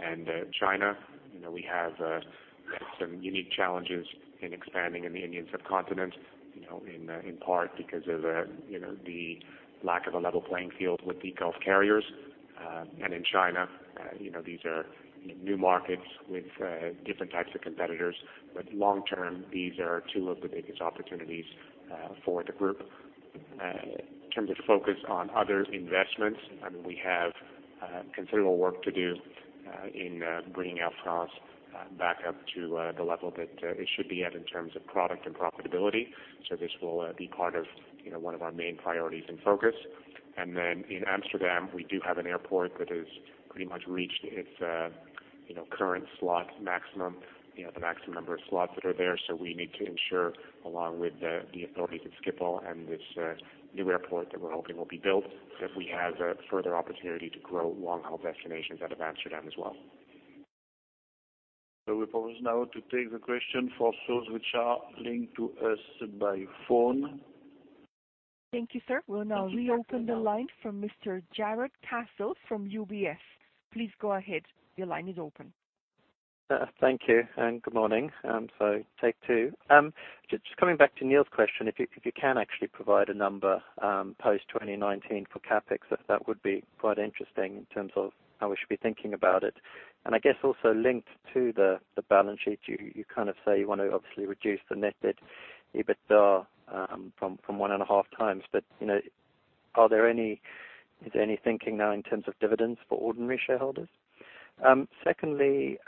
and China. We have some unique challenges in expanding in the Indian subcontinent, in part because of the lack of a level playing field with the Gulf carriers. In China, these are new markets with different types of competitors. Long term, these are two of the biggest opportunities for the group. In terms of focus on other investments, we have considerable work to do in bringing Air France back up to the level that it should be at in terms of product and profitability. This will be part of one of our main priorities and focus. Then in Amsterdam, we do have an airport that has pretty much reached its current slot maximum, the maximum number of slots that are there. We need to ensure, along with the authorities at Schiphol and this new airport that we're hoping will be built, that we have further opportunity to grow long-haul destinations out of Amsterdam as well. We propose now to take the question for those which are linked to us by phone. Thank you, sir. We'll now reopen the line for Mr. Jarrod Castle from UBS. Please go ahead. Your line is open. Thank you, good morning. Take two. Just coming back to Neil's question, if you can actually provide a number post 2019 for CapEx, that would be quite interesting in terms of how we should be thinking about it. I guess also linked to the balance sheet, you say you want to obviously reduce the net debt EBITDA from 1.5 times. Is there any thinking now in terms of dividends for ordinary shareholders? Secondly,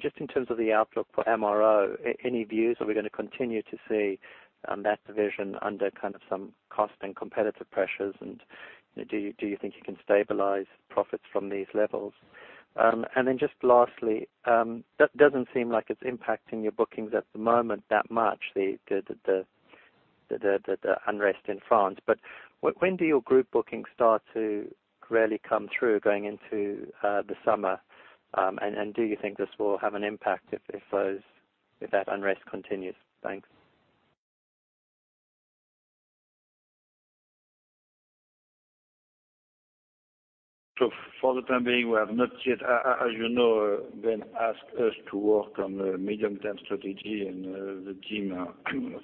just in terms of the outlook for MRO, any views? Are we going to continue to see that division under some cost and competitive pressures, and do you think you can stabilize profits from these levels? Just lastly, that doesn't seem like it's impacting your bookings at the moment that much, the unrest in France. When do your group bookings start to really come through going into the summer? Do you think this will have an impact if that unrest continues? Thanks. For the time being, we have not yet, as you know, Ben asked us to work on the medium-term strategy and the team are,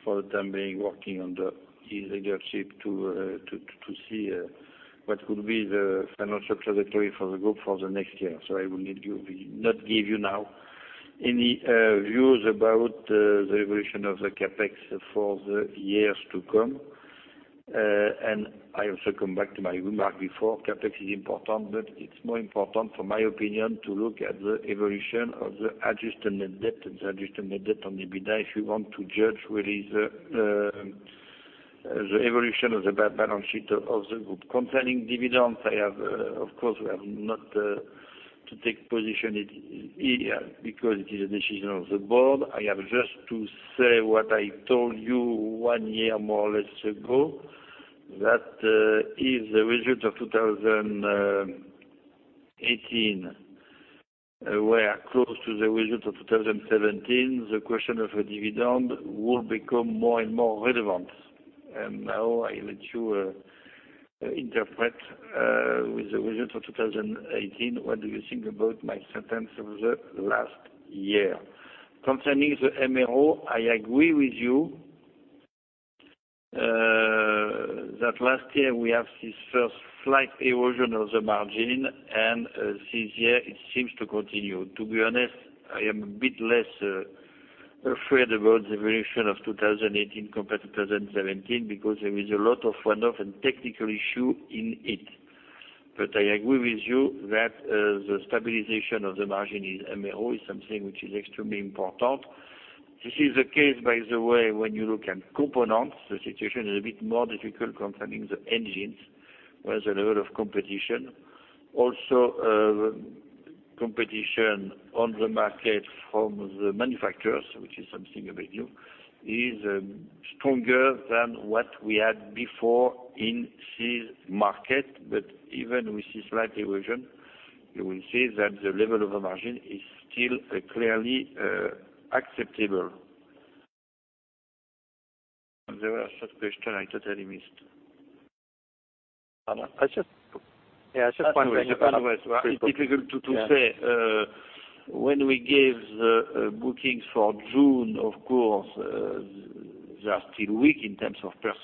for the time being, working under his leadership to see what could be the financial trajectory for the group for the next year. I will not give you now any views about the evolution of the CapEx for the years to come. I also come back to my remark before, CapEx is important, it's more important, for my opinion, to look at the evolution of the adjusted net debt and the adjusted net debt on EBITDA if you want to judge what is the evolution of the balance sheet of the group. Concerning dividends, of course, we have not to take position here because it is a decision of the board. I have just to say what I told you one year, more or less, ago, that if the result of 2018 were close to the result of 2017, the question of a dividend would become more and more relevant. Now I let you interpret with the result for 2018, what do you think about my sentence of the last year? Concerning the MRO, I agree with you that last year we have this first slight erosion of the margin. This year it seems to continue. To be honest, I am a bit less afraid about the evolution of 2018 compared to 2017 because there is a lot of one-off and technical issue in it. I agree with you that the stabilization of the margin in MRO is something which is extremely important. This is the case, by the way, when you look at components, the situation is a bit more difficult concerning the engines, where there's a lot of competition. Also, competition on the market from the manufacturers, which is something a bit new, is stronger than what we had before in this market. Even with this slight erosion, you will see that the level of the margin is still clearly acceptable. There was a question I totally missed. Yeah. It's difficult to say. When we give the bookings for June, of course, they are still weak in terms of %,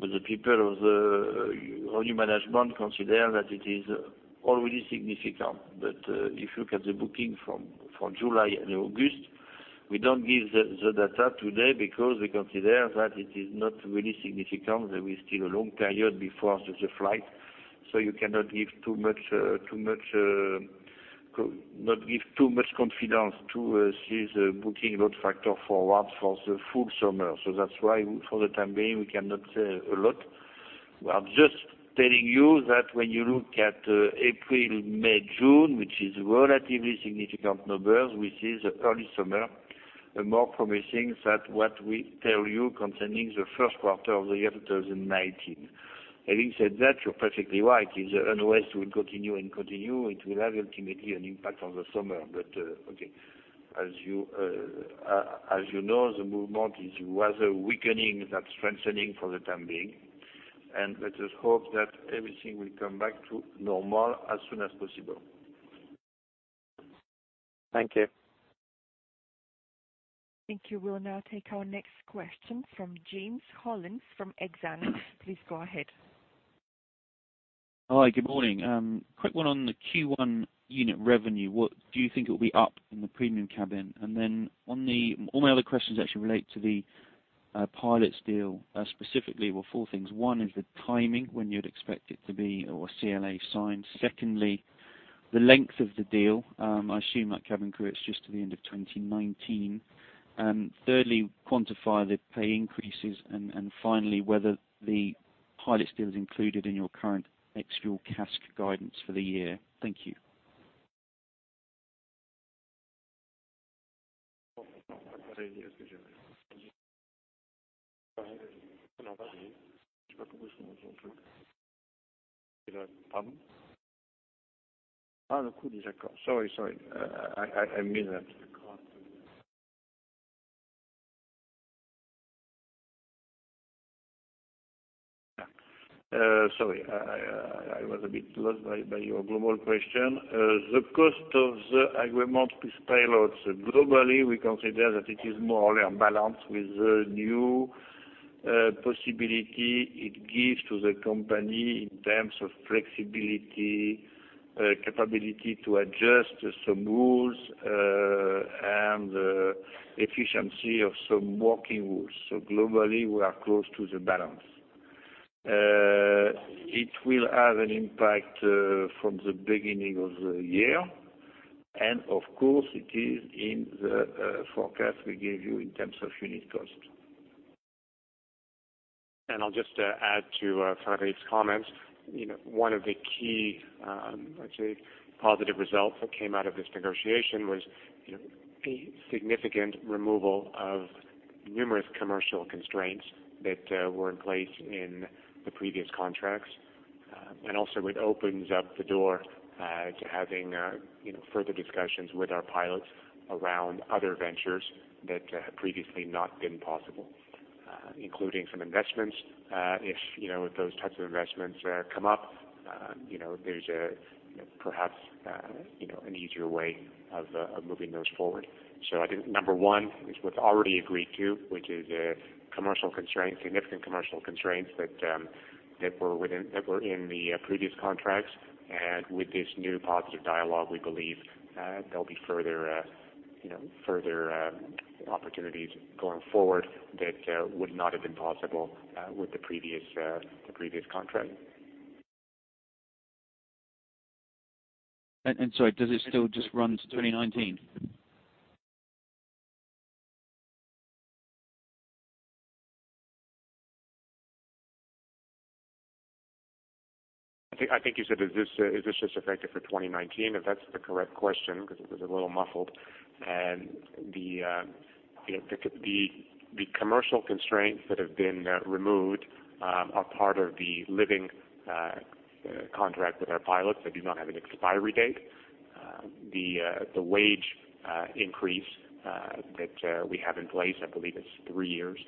the people of the revenue management consider that it is already significant. If you look at the booking from July and August, we don't give the data today because we consider that it is not really significant. There is still a long period before the flight, you cannot give too much confidence to this booking load factor for what? For the full summer. That's why for the time being, we cannot say a lot. We are just telling you that when you look at April, May, June, which is relatively significant numbers, which is early summer, more promising than what we tell you concerning the first quarter of the year 2019. Having said that, you're perfectly right. If the unrest will continue, it will have ultimately an impact on the summer. Okay. As you know, the movement is rather weakening than strengthening for the time being. Let us hope that everything will come back to normal as soon as possible. Thank you. Thank you. We'll now take our next question from James Hollins from Exane. Please go ahead. Hi, good morning. Quick one on the Q1 unit revenue. Do you think it will be up in the premium cabin? All my other questions actually relate to the pilot deal specifically. Well, four things. One is the timing, when you'd expect it to be or CLA signed. Secondly, the length of the deal. I assume that cabin crew, it's just to the end of 2019. Thirdly, quantify the pay increases, finally, whether the pilot deal is included in your current ex-fuel CASK guidance for the year. Thank you. Sorry. I missed that. Sorry. I was a bit lost by your global question. The cost of the agreement with pilots, globally, we consider that it is more or less balanced with the new possibility it gives to the company in terms of flexibility, capability to adjust some rules, and efficiency of some working rules. Globally, we are close to the balance. It will have an impact from the beginning of the year. Of course, it is in the forecast we gave you in terms of unit cost. I'll just add to Frédéric's comments. One of the key, I'd say, positive results that came out of this negotiation was the significant removal of numerous commercial constraints that were in place in the previous contracts. Also, it opens up the door to having further discussions with our pilots around other ventures that had previously not been possible, including some investments. If those types of investments come up, there's perhaps an easier way of moving those forward. I think number one is what's already agreed to, which is significant commercial constraints that were in the previous contracts. With this new positive dialogue, we believe there'll be further opportunities going forward that would not have been possible with the previous contract. Sorry, does it still just run to 2019? I think you said, is this just effective for 2019? If that's the correct question, because it was a little muffled. The commercial constraints that have been removed are part of the living contract with our pilots that do not have an expiry date. The wage increase that we have in place, I believe it's three years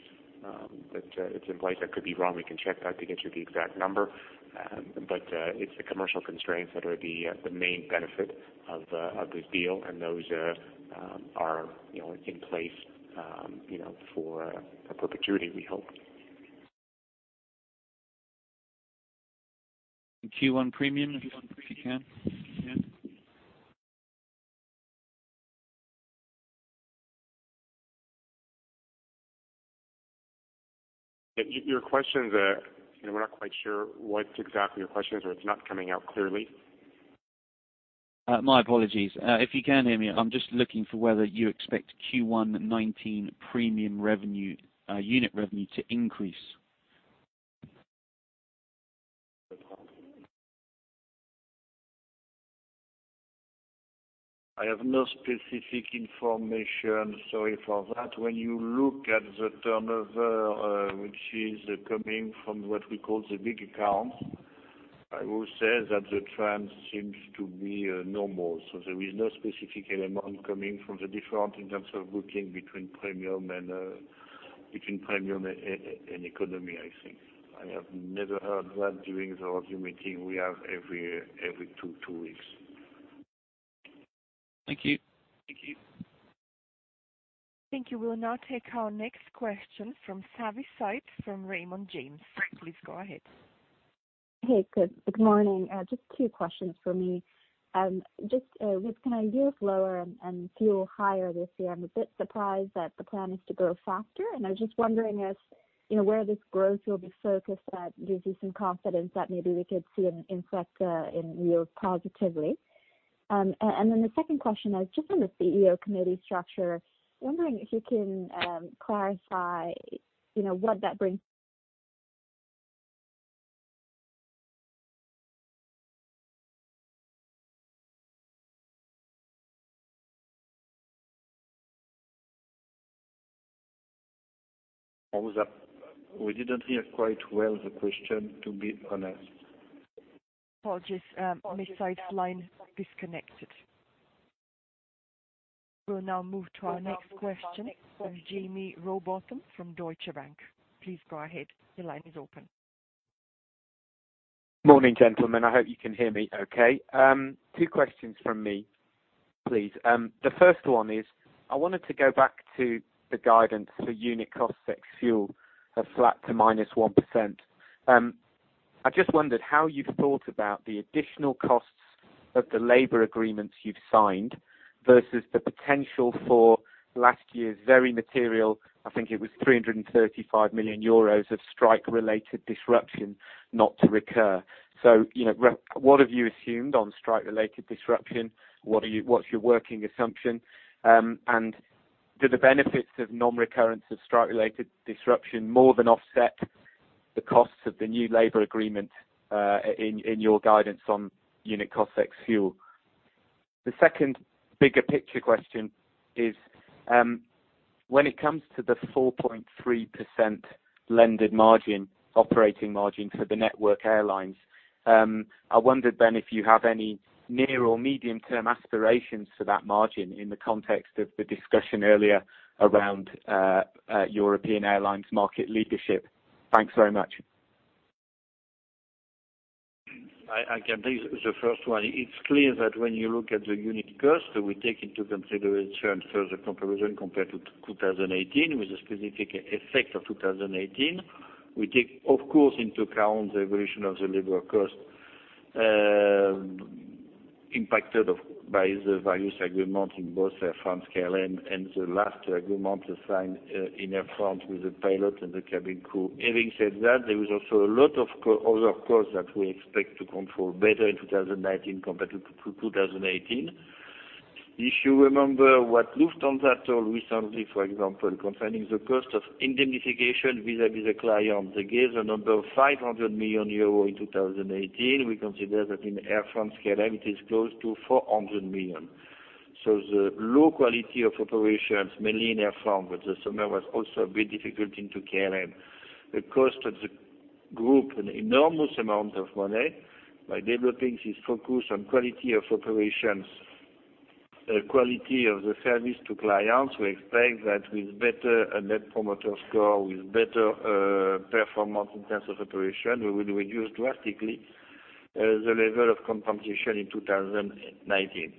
that it's in place. I could be wrong. We can check that to get you the exact number. It's the commercial constraints that are the main benefit of this deal and those are in place for perpetuity, we hope. Q1 premium, if you can. Your question, we're not quite sure what exactly your question is, or it's not coming out clearly. My apologies. If you can hear me, I'm just looking for whether you expect Q1 2019 premium unit revenue to increase. I have no specific information. Sorry for that. When you look at the turnover, which is coming from what we call the big accounts, I will say that the trend seems to be normal. There is no specific element coming from the different in terms of booking between premium and economy, I think. I have never heard that during the review meeting we have every two weeks. Thank you. Thank you. We'll now take our next question from Savanthi Syth from Raymond James. Please go ahead. Hey, good morning. Just two questions from me. Just with kind of Europe lower and fuel higher this year, I'm a bit surprised that the plan is to grow faster. I was just wondering if where this growth will be focused that gives you some confidence that maybe we could see it impact in Europe positively. The second question, I was just on the CEO committee structure, wondering if you can clarify what that brings. We didn't hear quite well the question, to be honest. Apologies. Ms. Syth's line disconnected. We will now move to our next question from Jaime Rowbotham from Deutsche Bank. Please go ahead. Your line is open. Morning, gentlemen. I hope you can hear me okay. Two questions from me, please. The first one is, I wanted to go back to the guidance for unit cost, ex-fuel of flat to -1%. I just wondered how you have thought about the additional costs of the labor agreements you have signed versus the potential for last year's very material, I think it was 335 million euros, of strike-related disruption not to recur. What have you assumed on strike-related disruption? What's your working assumption? Do the benefits of non-recurrence of strike-related disruption more than offset the costs of the new labor agreement, in your guidance on unit cost ex-fuel? The second bigger picture question is, when it comes to the 4.3% blended margin, operating margin for the network airlines, I wondered if you have any near or medium-term aspirations for that margin in the context of the discussion earlier around European Airlines market leadership. Thanks very much. I can take the first one. It's clear that when you look at the unit cost, we take into consideration further comparison compared to 2018 with the specific effect of 2018. We take, of course, into account the evolution of the labor cost, impacted by the various agreement in both Air France-KLM and the last agreement signed in Air France with the pilot and the cabin crew. Having said that, there was also a lot of other costs that we expect to control better in 2019 compared to 2018. If you remember what Lufthansa told recently, for example, concerning the cost of indemnification vis-à-vis the client, they gave a number of 500 million euro in 2018. We consider that in Air France-KLM, it is close to 400 million. The low quality of operations, mainly in Air France, but the summer was also a bit difficult into KLM. The cost of the group, an enormous amount of money. By developing this focus on quality of operations, quality of the service to clients, we expect that with better Net Promoter Score, with better performance in terms of operation, we will reduce drastically the level of compensation in 2019.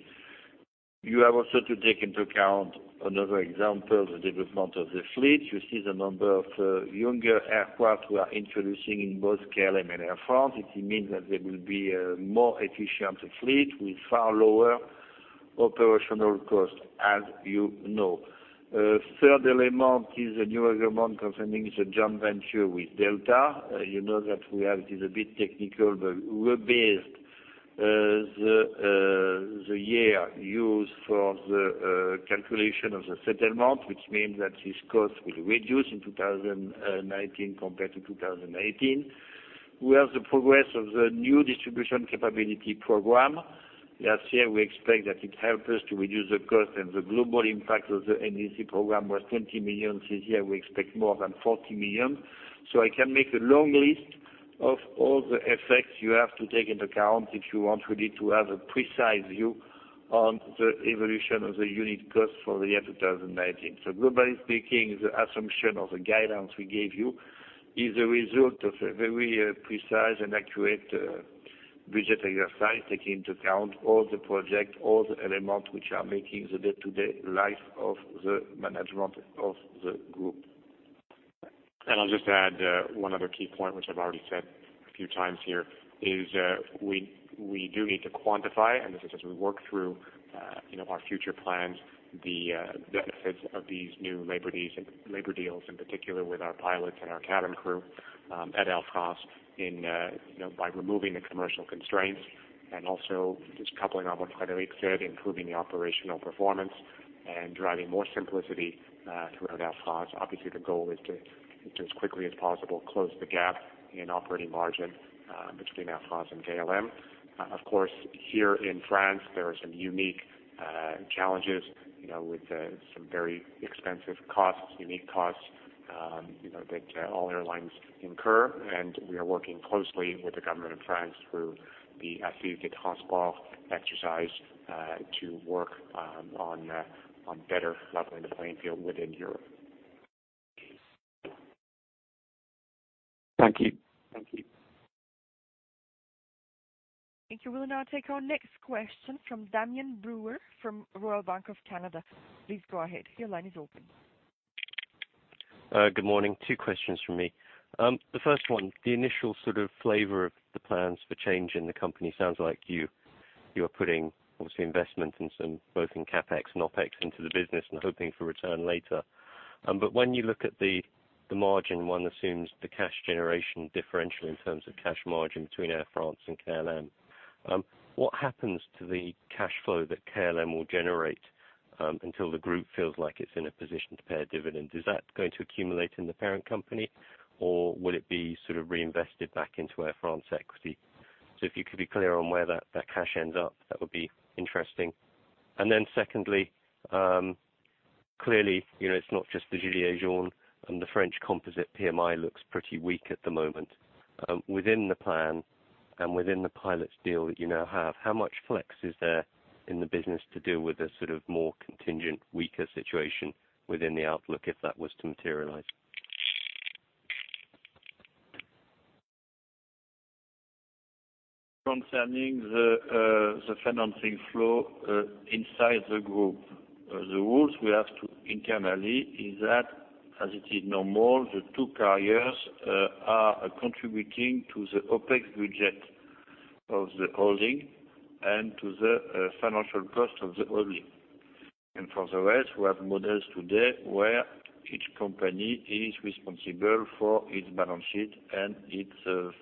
You have also to take into account another example, the development of the fleet. You see the number of younger aircraft we are introducing in both KLM and Air France. It means that they will be a more efficient fleet with far lower operational costs, as you know. Third element is the new agreement concerning the joint venture with Delta. You know that we have, it is a bit technical, but we based the year used for the calculation of the settlement, which means that this cost will reduce in 2019 compared to 2018. We have the progress of the New Distribution Capability program. Last year, we expect that it helped us to reduce the cost, and the global impact of the NDC program was 20 million. This year, we expect more than 40 million. I can make a long list of all the effects you have to take into account if you want really to have a precise view on the evolution of the unit cost for the year 2019. Globally speaking, the assumption of the guidance we gave you is a result of a very precise and accurate budget exercise, taking into account all the project, all the elements which are making the day-to-day life of the management of the group. I'll just add one other key point, which I've already said a few times here, is we do need to quantify, and this is as we work through our future plans, the benefits of these new labor deals, in particular with our pilots and our cabin crew, at Air France by removing the commercial constraints and also just coupling on what Frédéric said, improving the operational performance and driving more simplicity throughout Air France. Obviously, the goal is to, as quickly as possible, close the gap in operating margin between Air France and KLM. Of course, here in France, there are some unique challenges, with some very expensive costs, unique costs, that all airlines incur. We are working closely with the government of France through the exercise, to work on better leveling the playing field within Europe. Thank you. Thank you. Thank you. We'll now take our next question from Damian Brewer from Royal Bank of Canada. Please go ahead. Your line is open. Good morning. Two questions from me. The first one, the initial sort of flavor of the plans for change in the company sounds like you are putting obviously investment both in CapEx and OpEx into the business and hoping for return later. When you look at the margin, one assumes the cash generation differential in terms of cash margin between Air France and KLM. What happens to the cash flow that KLM will generate until the group feels like it's in a position to pay a dividend? Is that going to accumulate in the parent company, or will it be sort of reinvested back into Air France equity? If you could be clear on where that cash ends up, that would be interesting. Secondly, clearly, it's not just the gilets jaunes and the French composite PMI looks pretty weak at the moment. Within the plan and within the pilots deal that you now have, how much flex is there in the business to deal with a sort of more contingent, weaker situation within the outlook if that was to materialize? Concerning the financing flow inside the group. The rules we have internally is that, as it is normal, the two carriers are contributing to the OpEx budget of the holding and to the financial cost of the holding. For the rest, we have models today where each company is responsible for its balance sheet and its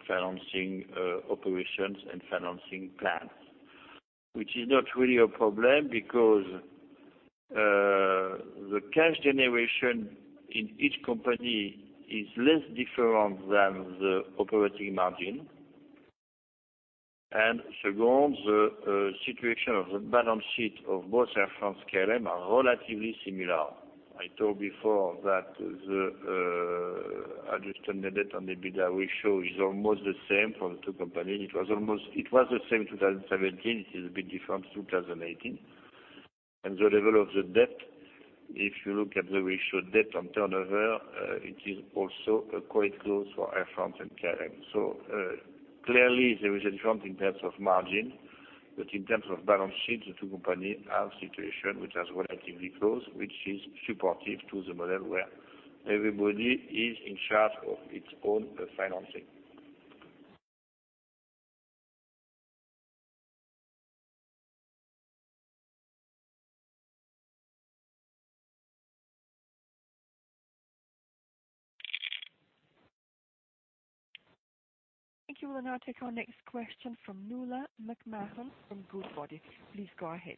financing operations and financing plans. Which is not really a problem, because the cash generation in each company is less different than the operating margin. Second, the situation of the balance sheet of both Air France-KLM are relatively similar. I told before that the adjusted net debt on the EBITDA ratio is almost the same for the two companies. It was the same 2017. It is a bit different 2018. The level of the debt, if you look at the ratio, debt on turnover, it is also quite close for Air France and KLM. Clearly, there is a difference in terms of margin, but in terms of balance sheet, the two companies have situation which has relatively close, which is supportive to the model where everybody is in charge of its own financing. Thank you. We'll now take our next question from Nuala McMahon from Goodbody. Please go ahead.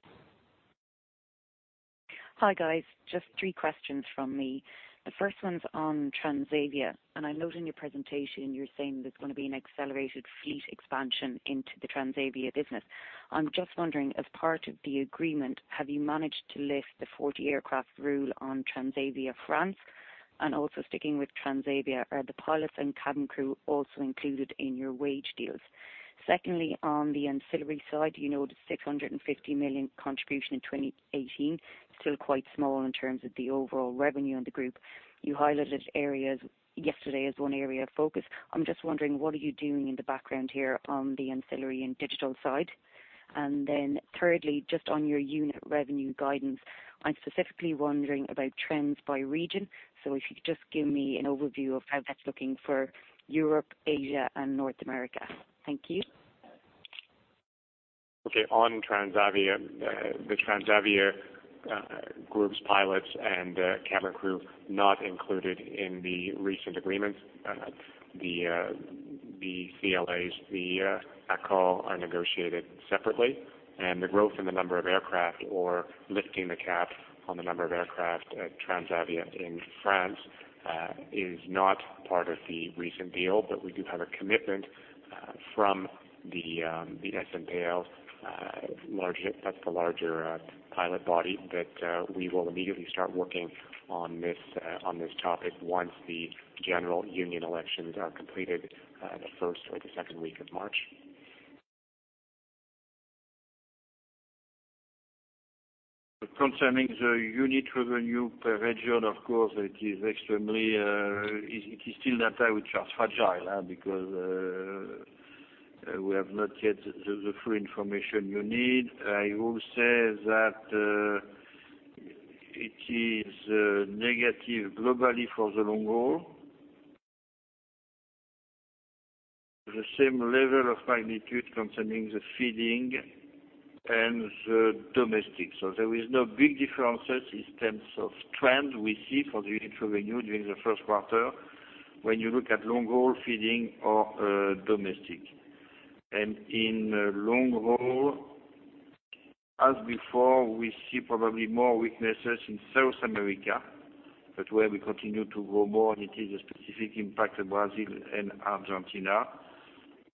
Hi, guys. Just three questions from me. The first one's on Transavia, I note in your presentation you're saying there's going to be an accelerated fleet expansion into the Transavia business. I'm just wondering, as part of the agreement, have you managed to lift the 40 aircraft rule on Transavia France? Also sticking with Transavia, are the pilots and cabin crew also included in your wage deals? Secondly, on the ancillary side, you noted 650 million contribution in 2018, still quite small in terms of the overall revenue in the group. You highlighted areas yesterday as one area of focus. I'm just wondering, what are you doing in the background here on the ancillary and digital side? Thirdly, just on your unit revenue guidance, I'm specifically wondering about trends by region. If you could just give me an overview of how that's looking for Europe, Asia and North America. Thank you. Okay. On Transavia, the Transavia group's pilots and cabin crew not included in the recent agreements. The CLAs, the ACCA, are negotiated separately, the growth in the number of aircraft or lifting the cap on the number of aircraft at Transavia in France is not part of the recent deal. We do have a commitment from the SNPL, that's the larger pilot body, that we will immediately start working on this topic once the general union elections are completed, the first or the second week of March. Concerning the unit revenue per region, of course, it is still data which are fragile, because we have not yet the full information you need. I will say that it is negative globally for the long haul. The same level of magnitude concerning the feeding and the domestic. There is no big differences in terms of trend we see for the unit revenue during the first quarter when you look at long haul feeding or domestic. In long haul, as before, we see probably more weaknesses in South America, but where we continue to grow more, it is a specific impact of Brazil and Argentina,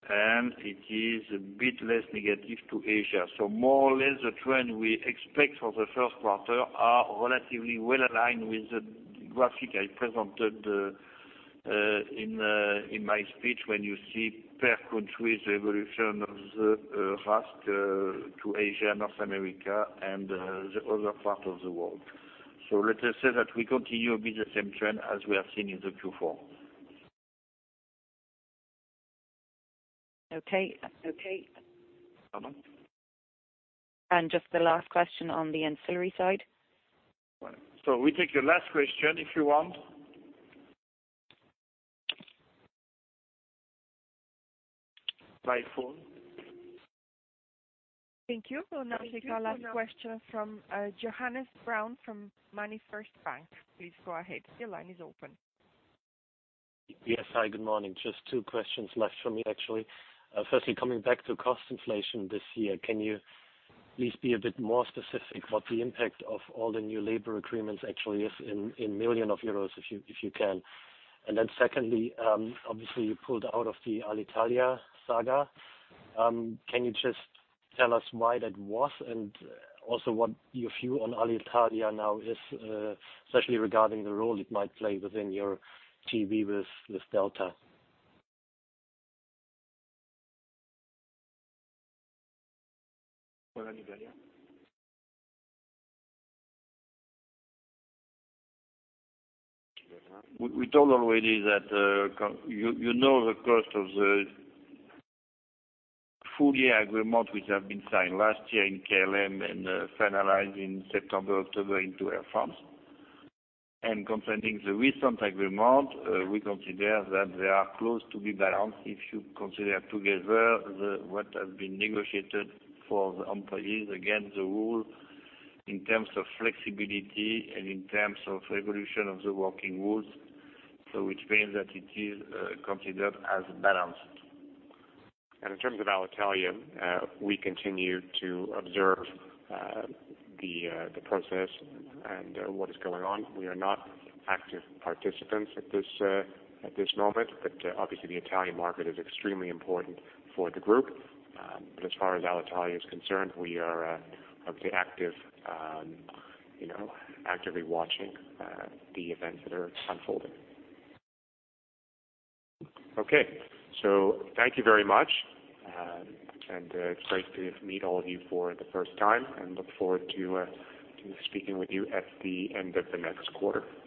and it is a bit less negative to Asia. More or less, the trend we expect for the first quarter are relatively well aligned with the graphic I presented in my speech, when you see per country, the evolution of the RASK to Asia, North America, and the other part of the world. Let us say that we continue with the same trend as we have seen in the Q4. Okay. Just the last question on the ancillary side. We take the last question, if you want. By phone. Thank you. We'll now take our last question from Johannes Braun from MainFirst Bank. Please go ahead. Your line is open. Yes. Hi, good morning. Just two questions left from me, actually. Firstly, coming back to cost inflation this year, can you please be a bit more specific what the impact of all the new labor agreements actually is in millions of euros, if you can? Secondly, obviously you pulled out of the Alitalia saga. Can you just tell us why that was and also what your view on Alitalia now is, especially regarding the role it might play within your JV with Delta? We told already that you know the cost of the full year agreement, which have been signed last year in KLM and finalized in September, October into Air France. Concerning the recent agreement, we consider that they are close to be balanced, if you consider together what has been negotiated for the employees against the rule in terms of flexibility and in terms of evolution of the working rules. Which means that it is considered as balanced. In terms of Alitalia, we continue to observe the process and what is going on. We are not active participants at this moment, obviously the Italian market is extremely important for the group. As far as Alitalia is concerned, we are actively watching the events that are unfolding. Okay. Thank you very much. It's great to meet all of you for the first time, and look forward to speaking with you at the end of the next quarter.